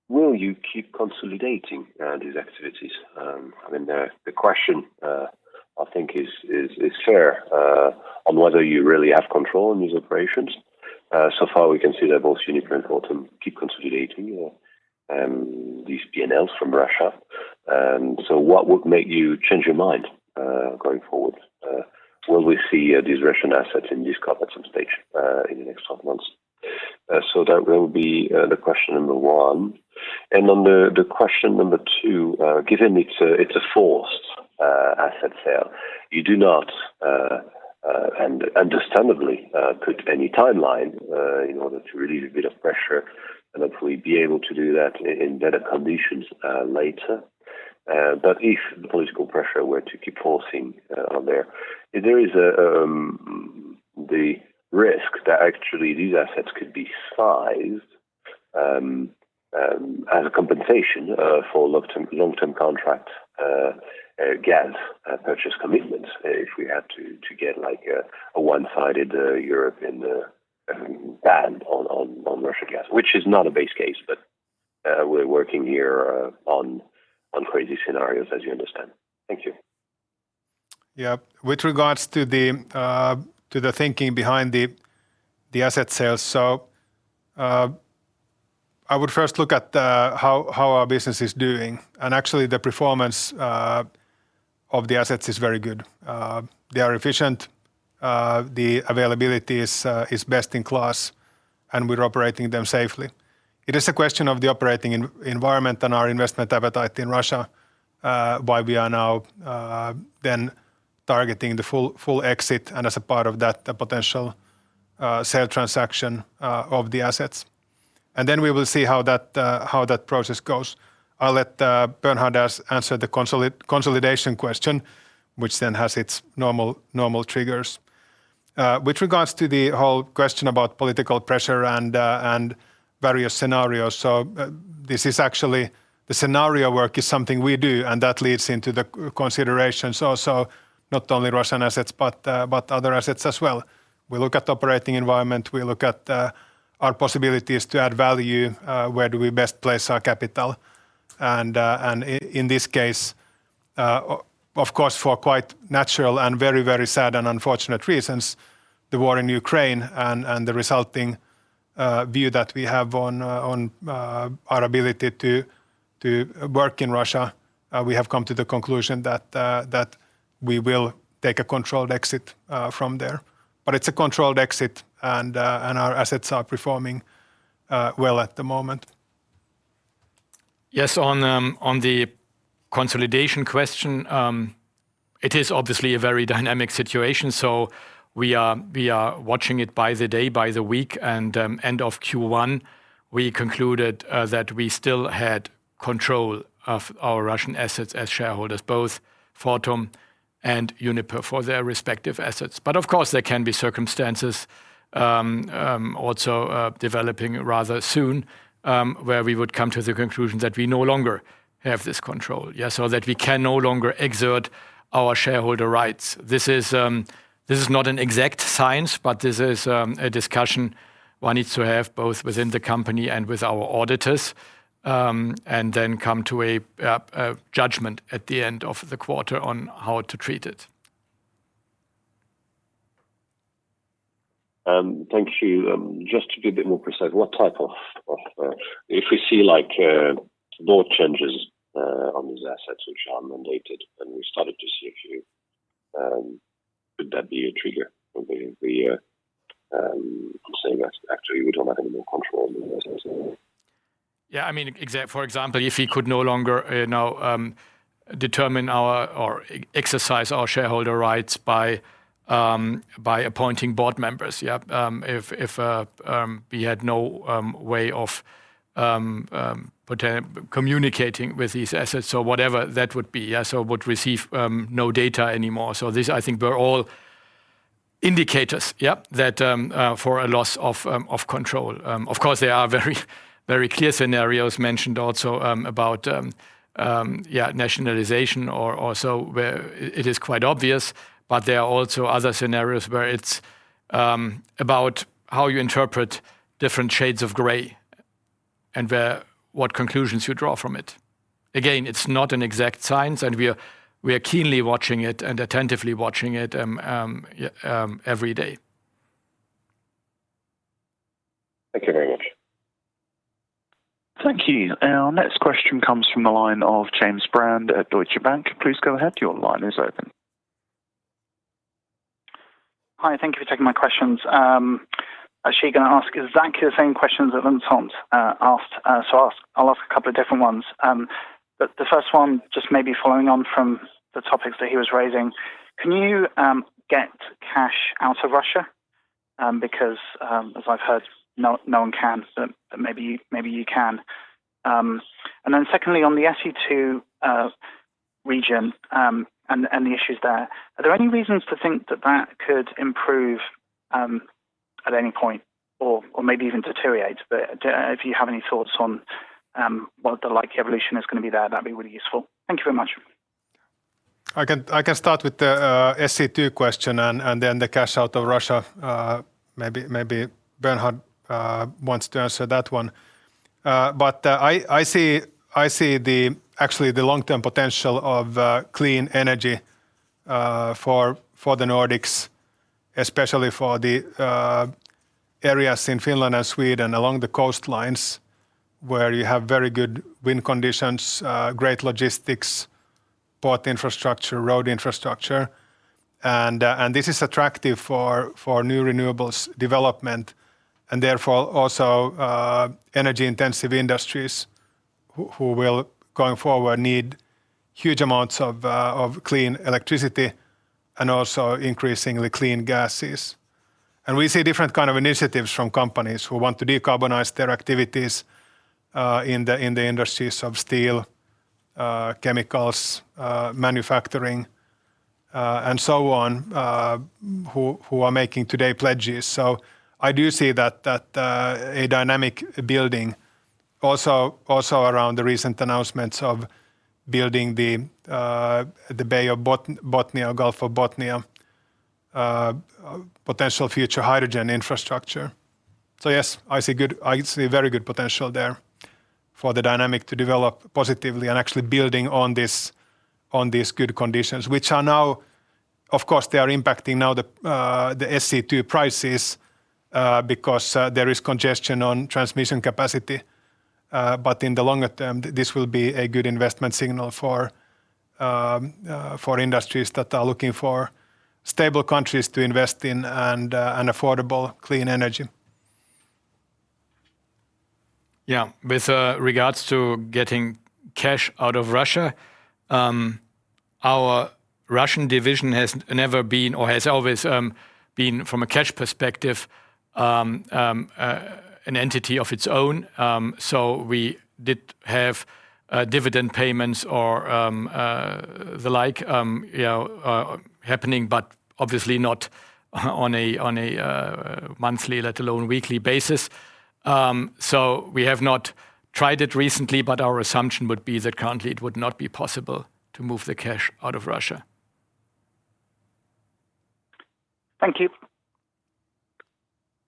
Will you keep consolidating these activities? I mean, the question I think is fair on whether you really have control in these operations. So far we can see that both Uniper and Vattenfall keep consolidating these P&Ls from Russia. What would make you change your mind going forward? Will we see these Russian assets in this corporate structure in the next 12 months? That will be the question number one. Then the question number two, given it's a forced asset sale. You do not and understandably put any timeline in order to relieve a bit of pressure and hopefully be able to do that in better conditions later. If the political pressure were to keep forcing on there is the risk that actually these assets could be seized as a compensation for long-term contract gas purchase commitments if we had to get like a one-sided European ban on Russian gas. Which is not a base case, but we're working here on crazy scenarios as you understand. Thank you. Yeah. With regards to the thinking behind the asset sales. I would first look at how our business is doing, and actually the performance of the assets is very good. They are efficient. The availability is best in class, and we're operating them safely. It is a question of the operating environment and our investment appetite in Russia why we are now then targeting the full exit and as a part of that, the potential sale transaction of the assets. We will see how that process goes. I'll let Bernhard answer the consolidation question, which then has its normal triggers. With regards to the whole question about political pressure and various scenarios. This is actually. The scenario work is something we do, and that leads into the considerations also, not only Russian assets, but other assets as well. We look at operating environment, we look at our possibilities to add value, where do we best place our capital. In this case, of course, for quite natural and very, very sad and unfortunate reasons, the war in Ukraine and the resulting view that we have on our ability to work in Russia, we have come to the conclusion that we will take a controlled exit from there. It's a controlled exit and our assets are performing well at the moment. Yes, on the consolidation question, it is obviously a very dynamic situation, so we are watching it by the day, by the week and end of Q1, we concluded that we still had control of our Russian assets as shareholders, both Fortum and Uniper for their respective assets. Of course, there can be circumstances also developing rather soon, where we would come to the conclusion that we no longer have this control. Yeah. That we can no longer exert our shareholder rights. This is not an exact science, but this is a discussion one needs to have both within the company and with our auditors, and then come to a judgment at the end of the quarter on how to treat it. Thank you. Just to be a bit more precise what type of-- if we see like board changes on these assets which are mandated and we started to see a few, would that be a trigger for the saying that actually we don't have any more control over the assets anymore? I mean, for example, if we could no longer, you know, determine or exercise our shareholder rights by appointing board members. If we had no way of communicating with these assets or whatever that would be. We would receive no data anymore. These are all indicators for a loss of control. Of course, there are very clear scenarios mentioned also about nationalization or so where it is quite obvious, but there are also other scenarios where it's about how you interpret different shades of gray and what conclusions you draw from it. Again, it's not an exact science and we are keenly watching it and attentively watching it every day. Thank you very much. Thank you. Our next question comes from the line of James Brand at Deutsche Bank. Please go ahead. Your line is open. Hi. Thank you for taking my questions. Actually gonna ask exactly the same questions that Vincent asked. I'll ask a couple of different ones. But the first one, just maybe following on from the topics that he was raising. Can you get cash out of Russia? Because, as I've heard, no one can, but maybe you can. And then secondly, on the SE2 region and the issues there. Are there any reasons to think that that could improve at any point or maybe even deteriorate? If you have any thoughts on what the likely evolution is gonna be there, that'd be really useful. Thank you very much. I can start with the SE2 question and then the cash out of Russia, maybe Bernhard wants to answer that one. I see actually the long-term potential of clean energy for the Nordics, especially for the areas in Finland and Sweden along the coastlines where you have very good wind conditions, great logistics, port infrastructure, road infrastructure. This is attractive for new renewables development and therefore also energy intensive industries who will going forward need huge amounts of clean electricity and also increasingly clean gases. We see different kind of initiatives from companies who want to decarbonize their activities in the industries of steel, chemicals, manufacturing, and so on, who are making today pledges. I do see that a dynamic building also around the recent announcements of building the Gulf of Bothnia potential future hydrogen infrastructure. Yes, I see very good potential there for the dynamic to develop positively and actually building on these good conditions, which are now of course impacting the SE2 prices because there is congestion on transmission capacity. In the longer term, this will be a good investment signal for industries that are looking for stable countries to invest in and an affordable clean energy. Yeah. With regards to getting cash out of Russia, our Russian division has never been or has always been from a cash perspective an entity of its own. We did have dividend payments or the like, you know, happening, but obviously not on a monthly, let alone weekly basis. We have not tried it recently, but our assumption would be that currently it would not be possible to move the cash out of Russia. Thank you.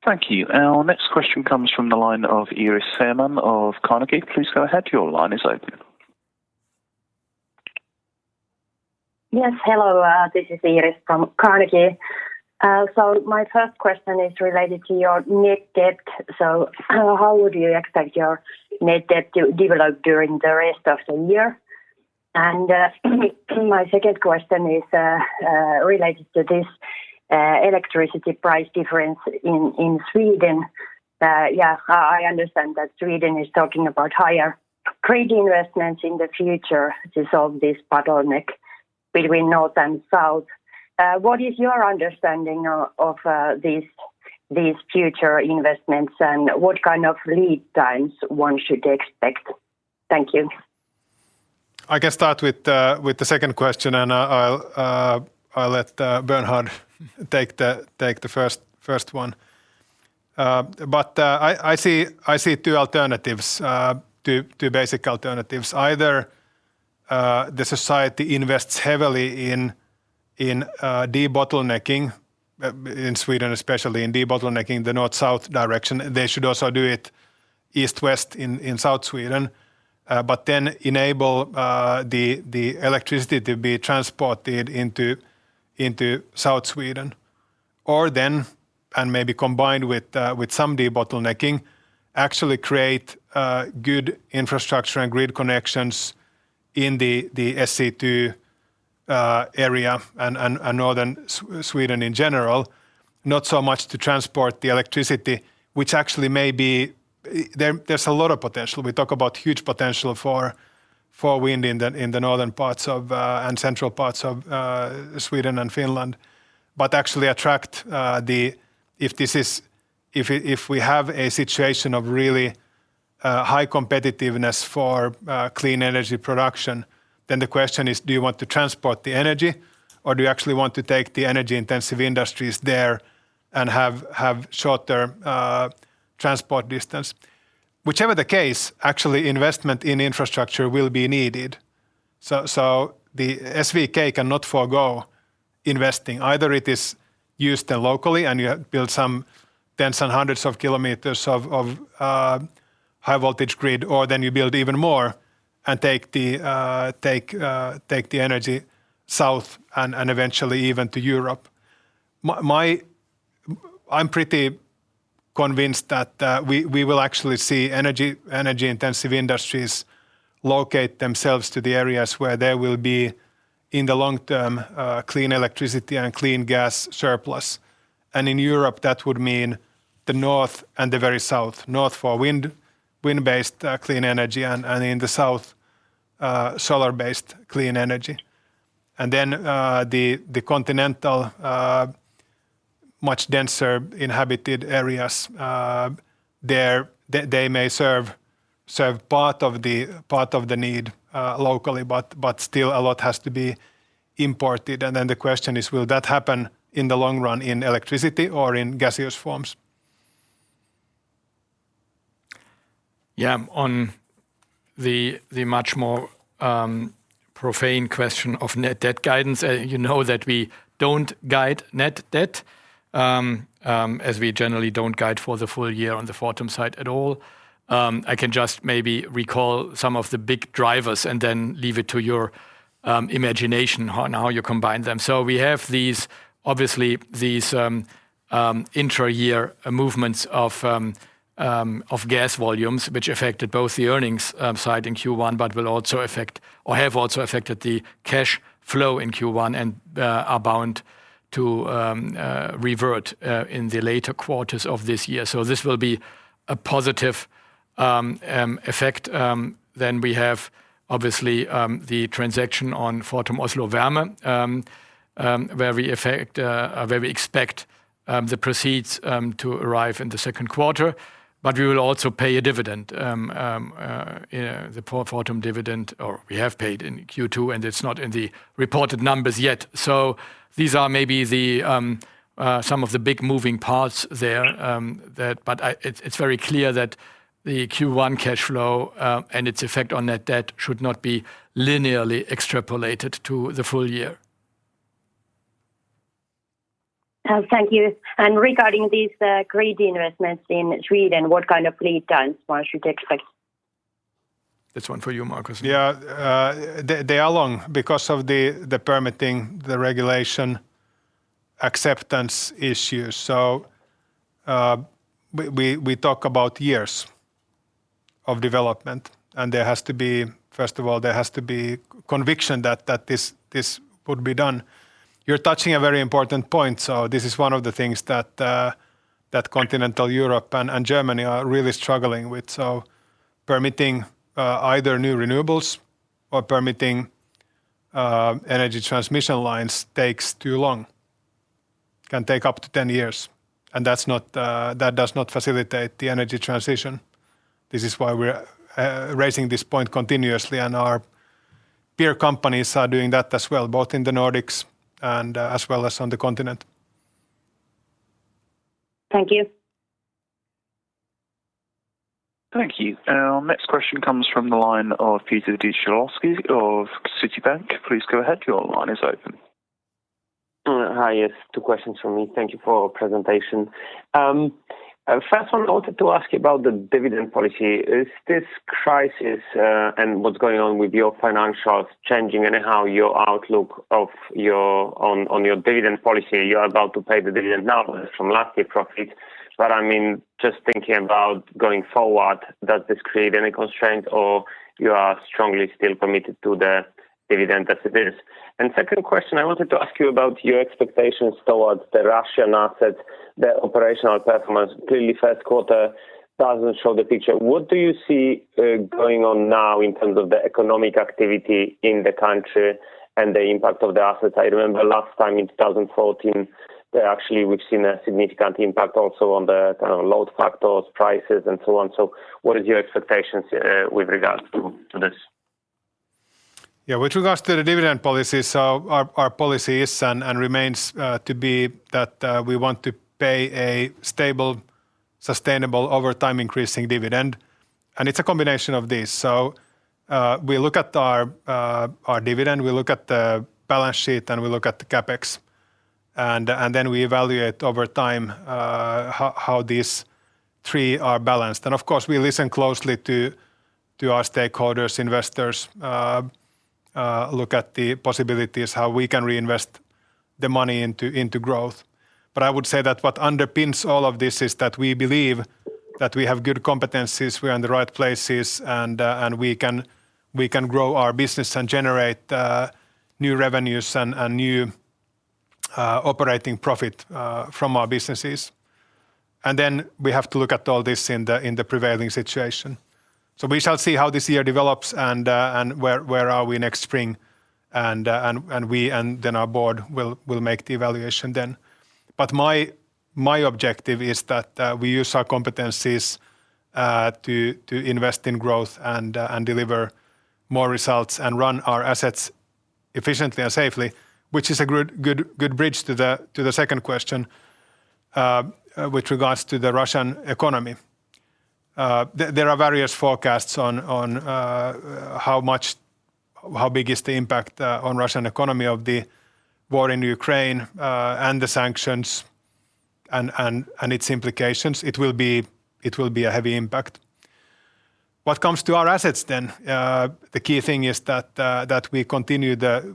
Thank you. Our next question comes from the line of Iiris Theman of Carnegie. Please go ahead. Your line is open. Yes, hello. This is Iiris from Carnegie. My first question is related to your net debt. How would you expect your net debt to develop during the rest of the year? My second question is related to this electricity price difference in Sweden. Yeah, I understand that Sweden is talking about higher grid investments in the future to solve this bottleneck between north and south. What is your understanding of these future investments, and what kind of lead times one should expect? Thank you. I can start with the second question, and I'll let Bernhard take the first one. I see two basic alternatives. Either the society invests heavily in debottlenecking in Sweden especially, debottlenecking the north-south direction. They should also do it east-west in south Sweden, but then enable the electricity to be transported into south Sweden. Or, maybe combined with some debottlenecking, actually create good infrastructure and grid connections in the SE2 area and northern Sweden in general. Not so much to transport the electricity, which actually may be. There's a lot of potential. We talk about huge potential for wind in the northern parts of and central parts of Sweden and Finland. If we have a situation of really high competitiveness for clean energy production, then the question is, do you want to transport the energy, or do you actually want to take the energy-intensive industries there and have short-term transport distance? Whichever the case, actually investment in infrastructure will be needed. The SVK cannot forgo investing. Either it is used locally and you build some tens and hundreds of kilometers of high voltage grid, or then you build even more and take the energy south and eventually even to Europe. I'm pretty convinced that we will actually see energy-intensive industries locate themselves to the areas where there will be, in the long term, clean electricity and clean gas surplus. In Europe, that would mean the north and the very south. North for wind-based clean energy, and in the south, solar-based clean energy. Then, the continental, much denser inhabited areas, there they may serve part of the need locally, but still a lot has to be imported. Then the question is, will that happen in the long run in electricity or in gaseous forms? Yeah. On the much more profound question of net debt guidance, you know that we don't guide net debt, as we generally don't guide for the full year on the Fortum side at all. I can just maybe recall some of the big drivers and then leave it to your imagination on how you combine them. We have these, obviously, these intra-year movements of gas volumes, which affected both the earnings side in Q1, but will also affect or have also affected the cash flow in Q1 and are bound to revert in the later quarters of this year. This will be a positive We have obviously the transaction on Fortum Oslo Varme, where we expect the proceeds to arrive in the second quarter. We will also pay a dividend, you know, the Fortum dividend, or we have paid in Q2, and it's not in the reported numbers yet. These are maybe some of the big moving parts there. It's very clear that the Q1 cash flow and its effect on net debt should not be linearly extrapolated to the full year. Thank you. Regarding these grid investments in Sweden, what kind of lead times one should expect? That's one for you, Markus. Yeah. They are long because of the permitting, the regulation acceptance issues. So, we talk about years of development. First of all, there has to be conviction that this would be done. You're touching a very important point. So this is one of the things that continental Europe and Germany are really struggling with. So permitting either new renewables or permitting energy transmission lines takes too long. Can take up to 10 years, and that does not facilitate the energy transition. This is why we're raising this point continuously, and our peer companies are doing that as well, both in the Nordics and as well as on the continent. Thank you. Thank you. Our next question comes from the line of Piotr Dzieciolowski of Citibank. Please go ahead. Your line is open. Hi. Yes. Two questions from me. Thank you for your presentation. First one, I wanted to ask you about the dividend policy. Is this crisis and what's going on with your financials changing your outlook on your dividend policy? You're about to pay the dividend now from last year profits. I mean, just thinking about going forward, does this create any constraint or you are strongly still committed to the dividend as it is? Second question, I wanted to ask you about your expectations towards the Russian assets, the operational performance. Clearly, first quarter doesn't show the picture. What do you see going on now in terms of the economic activity in the country and the impact of the assets? I remember last time in 2014 that actually we've seen a significant impact also on the kind of load factors, prices and so on. What is your expectations with regards to this? Yeah. With regards to the dividend policy, so our policy is and remains to be that we want to pay a stable, sustainable over time increasing dividend. It's a combination of these. We look at our dividend, we look at the balance sheet, and we look at the CapEx, and then we evaluate over time how these three are balanced. Of course, we listen closely to our stakeholders, investors, look at the possibilities, how we can reinvest the money into growth. I would say that what underpins all of this is that we believe that we have good competencies, we are in the right places, and we can grow our business and generate new revenues and new operating profit from our businesses. We have to look at all this in the prevailing situation. We shall see how this year develops and where we are next spring. Then our board will make the evaluation then. My objective is that we use our competencies to invest in growth and deliver more results and run our assets efficiently and safely, which is a good bridge to the second question with regards to the Russian economy. There are various forecasts on how big is the impact on Russian economy of the war in Ukraine and the sanctions and its implications. It will be a heavy impact. What comes to our assets then, the key thing is that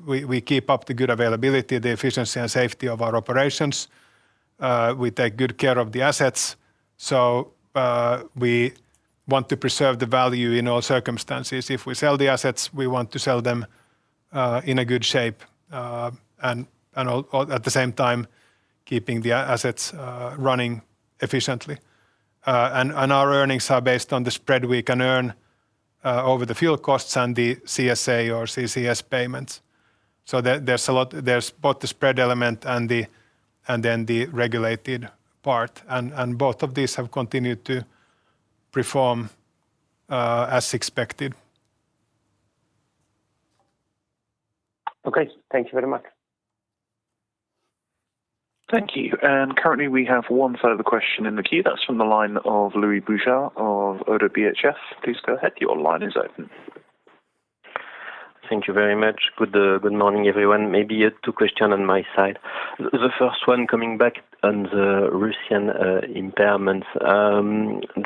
we keep up the good availability, the efficiency and safety of our operations. We take good care of the assets. We want to preserve the value in all circumstances. If we sell the assets, we want to sell them in a good shape and at the same time keeping the assets running efficiently. Our earnings are based on the spread we can earn over the fuel costs and the CSA or CCS payments. There's both the spread element and then the regulated part. Both of these have continued to perform as expected. Okay. Thank you very much. Thank you. Currently, we have one further question in the queue. That's from the line of Louis Boujard of ODDO BHF. Please go ahead. Your line is open. Thank you very much. Good morning, everyone. Maybe two questions on my side. The first one coming back on the Russian impairments.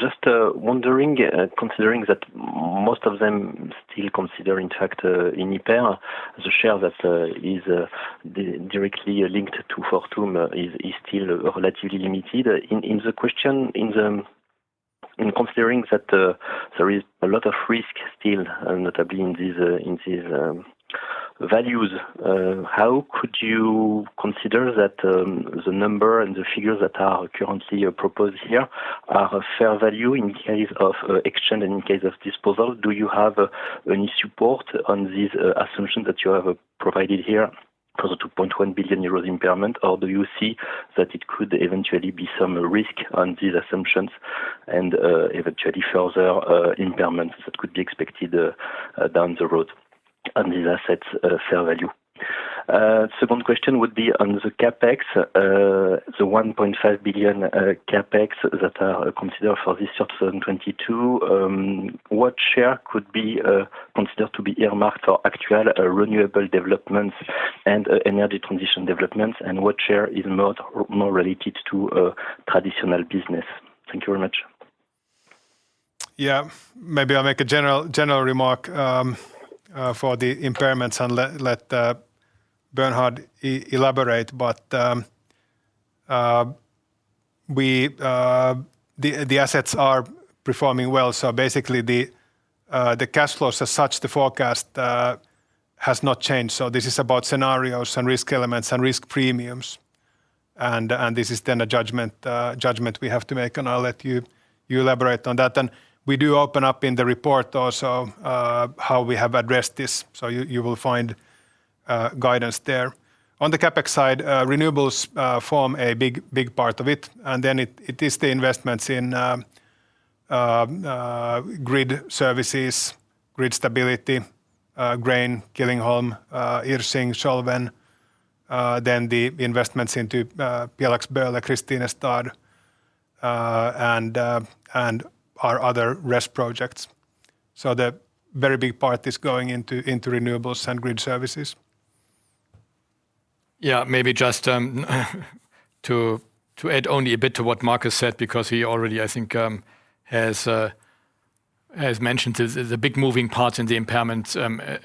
Just wondering, considering that most of them still consider, in fact, an impairment to the share that is directly linked to Fortum is still relatively limited. In considering that there is a lot of risk still, notably in these values how could you consider that the number and the figures that are currently proposed here are a fair value in case of exchange and in case of disposal? Do you have any support on these assumptions that you have provided here for the 2.1 billion euros impairment? Or do you see that it could eventually be some risk on these assumptions and eventually further impairments that could be expected down the road on these assets' fair value? Second question would be on the CapEx. The 1.5 billion CapEx that are considered for this year, 2022, what share could be considered to be earmarked for actual renewable developments and energy transition developments? What share is not related to traditional business? Thank you very much. Maybe I'll make a general remark for the impairments and let Bernhard elaborate. The assets are performing well. Basically the cash flows as such, the forecast has not changed. This is about scenarios and risk elements and risk premiums. This is then a judgment we have to make, and I'll let you elaborate on that. We do open up in the report also how we have addressed this, so you will find guidance there. On the CapEx side, renewables form a big part of it. It is the investments in grid services, grid stability, Grain, Killingholme, Irsching, Scholven, then the investments into Pjelax, Böle, Kristinestad, and our other RES projects. The very big part is going into renewables and grid services. Yeah. Maybe just to add only a bit to what Markus said because he already, I think, has mentioned this, is a big moving part in the impairments.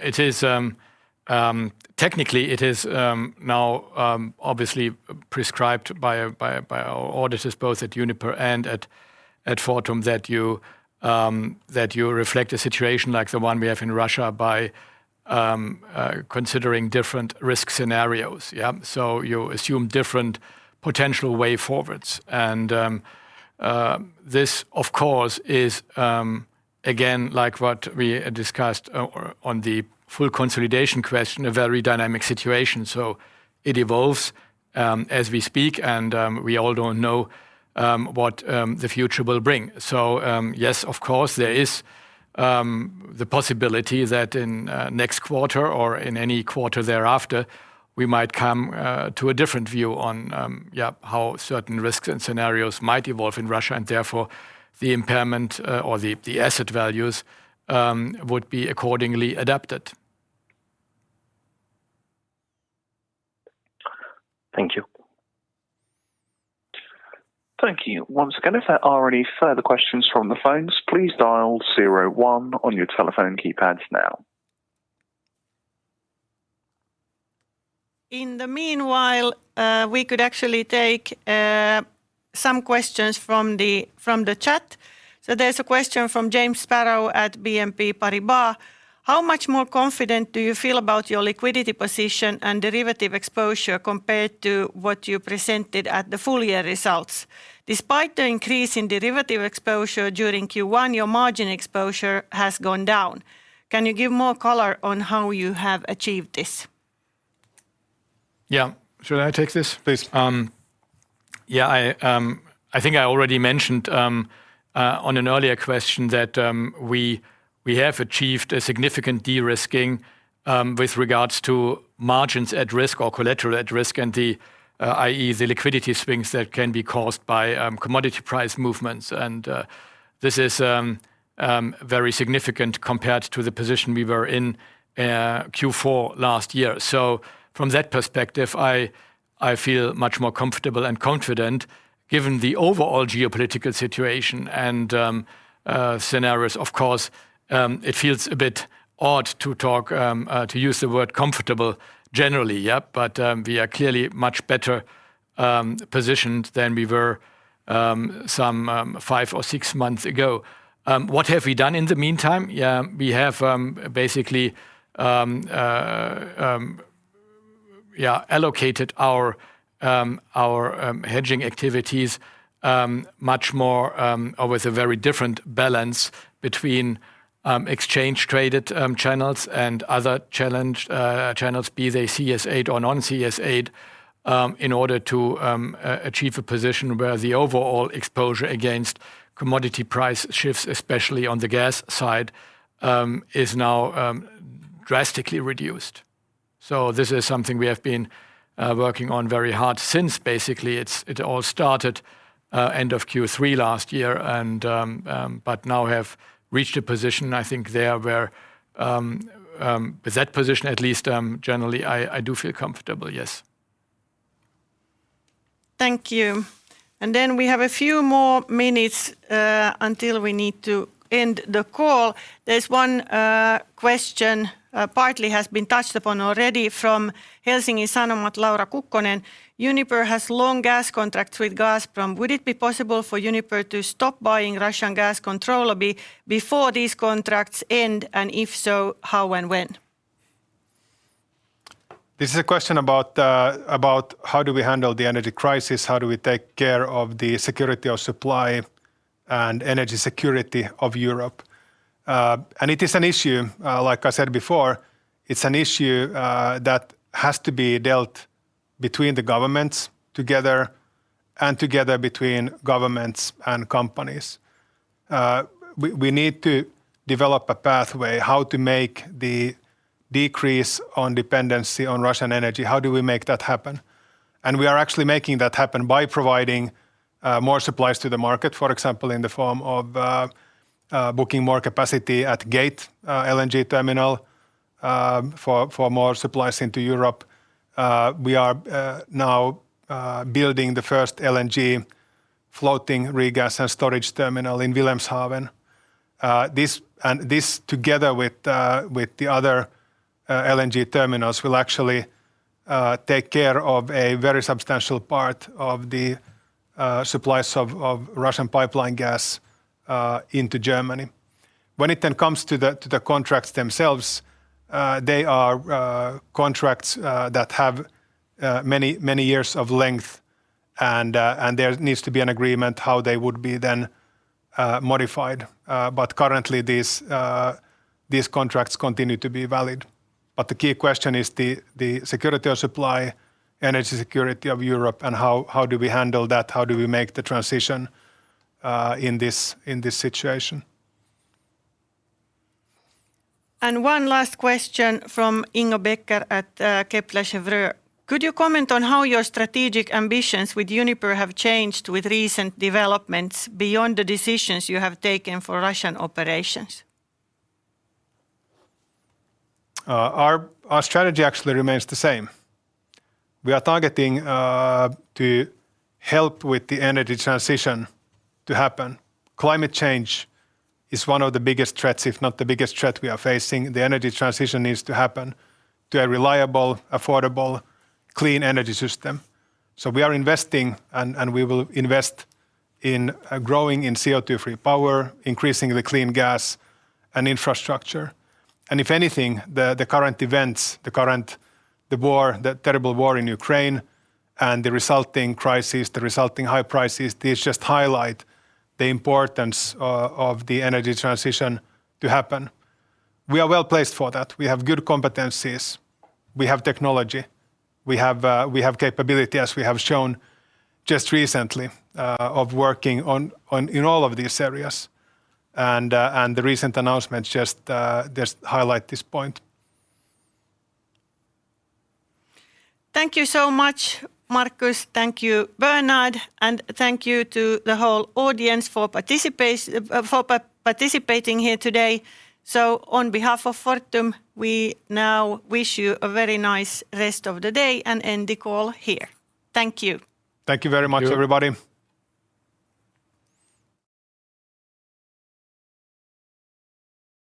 It is technically now obviously prescribed by our auditors both at Uniper and at Fortum that you reflect a situation like the one we have in Russia by considering different risk scenarios, yeah? You assume different potential way forwards. This of course is again, like what we discussed, on the full consolidation question, a very dynamic situation. It evolves as we speak and we all don't know what the future will bring. Yes, of course there is the possibility that in next quarter or in any quarter thereafter, we might come to a different view on yeah, how certain risks and scenarios might evolve in Russia and therefore the impairment or the asset values would be accordingly adapted. Thank you. Thank you once again. If there are any further questions from the phones, please dial zero one on your telephone keypads now. In the meanwhile, we could actually take some questions from the chat. There's a question from James Sparrow at BNP Paribas. How much more confident do you feel about your liquidity position and derivative exposure compared to what you presented at the full year results? Despite the increase in derivative exposure during Q1, your margin exposure has gone down. Can you give more color on how you have achieved this? Yeah. Should I take this? Please. Yeah. I think I already mentioned on an earlier question that we have achieved a significant de-risking with regards to margins at risk or collateral at risk and the i.e. the liquidity swings that can be caused by commodity price movements. This is very significant compared to the position we were in Q4 last year. From that perspective, I feel much more comfortable and confident given the overall geopolitical situation and scenarios. Of course, it feels a bit odd to use the word comfortable generally, yeah? We are clearly much better positioned than we were some five or six months ago. What have we done in the meantime? Yeah. We have basically allocated our hedging activities much more or with a very different balance between exchange traded channels and other channels, be they CSA or non-CSA, in order to achieve a position where the overall exposure against commodity price shifts, especially on the gas side, is now drastically reduced. This is something we have been working on very hard since basically it all started end of Q3 last year and but now have reached a position, I think, there where with that position at least generally I do feel comfortable, yes. Thank you. Then we have a few more minutes until we need to end the call. There's one question, partly has been touched upon already from Helsingin Sanomat, Laura Kukkonen. Uniper has long gas contracts with Gazprom. Would it be possible for Uniper to stop buying Russian gas contractually before these contracts end? And if so, how and when? This is a question about how do we handle the energy crisis? How do we take care of the security of supply and energy security of Europe? Like I said before, it's an issue that has to be dealt between the governments together and together between governments and companies. We need to develop a pathway how to make the decrease in dependency on Russian energy, how do we make that happen? We are actually making that happen by providing more supplies to the market, for example, in the form of booking more capacity at Gate LNG terminal for more supplies into Europe. We are now building the first LNG floating regas and storage terminal in Wilhelmshaven. This together with the other LNG terminals will actually take care of a very substantial part of the supplies of Russian pipeline gas into Germany. When it then comes to the contracts themselves, they are contracts that have many years of length and there needs to be an agreement how they would be then modified. Currently these contracts continue to be valid. The key question is the security of supply, energy security of Europe, and how do we handle that? How do we make the transition in this situation? One last question from Ingo Becker at Kepler Cheuvreux. Could you comment on how your strategic ambitions with Uniper have changed with recent developments beyond the decisions you have taken for Russian operations? Our strategy actually remains the same. We are targeting to help with the energy transition to happen. Climate change is one of the biggest threats, if not the biggest threat we are facing. The energy transition needs to happen to a reliable, affordable, clean energy system. We are investing and we will invest in growing in CO2-free power, increasing the clean gas and infrastructure. If anything, the current events, the war, the terrible war in Ukraine and the resulting crisis, the resulting high prices, these just highlight the importance of the energy transition to happen. We are well-placed for that. We have good competencies. We have technology. We have capability, as we have shown just recently, of working on in all of these areas. The recent announcements just highlight this point. Thank you so much, Markus. Thank you, Bernhard. Thank you to the whole audience for participating here today. On behalf of Fortum, we now wish you a very nice rest of the day and end the call here. Thank you. Thank you very much, everybody.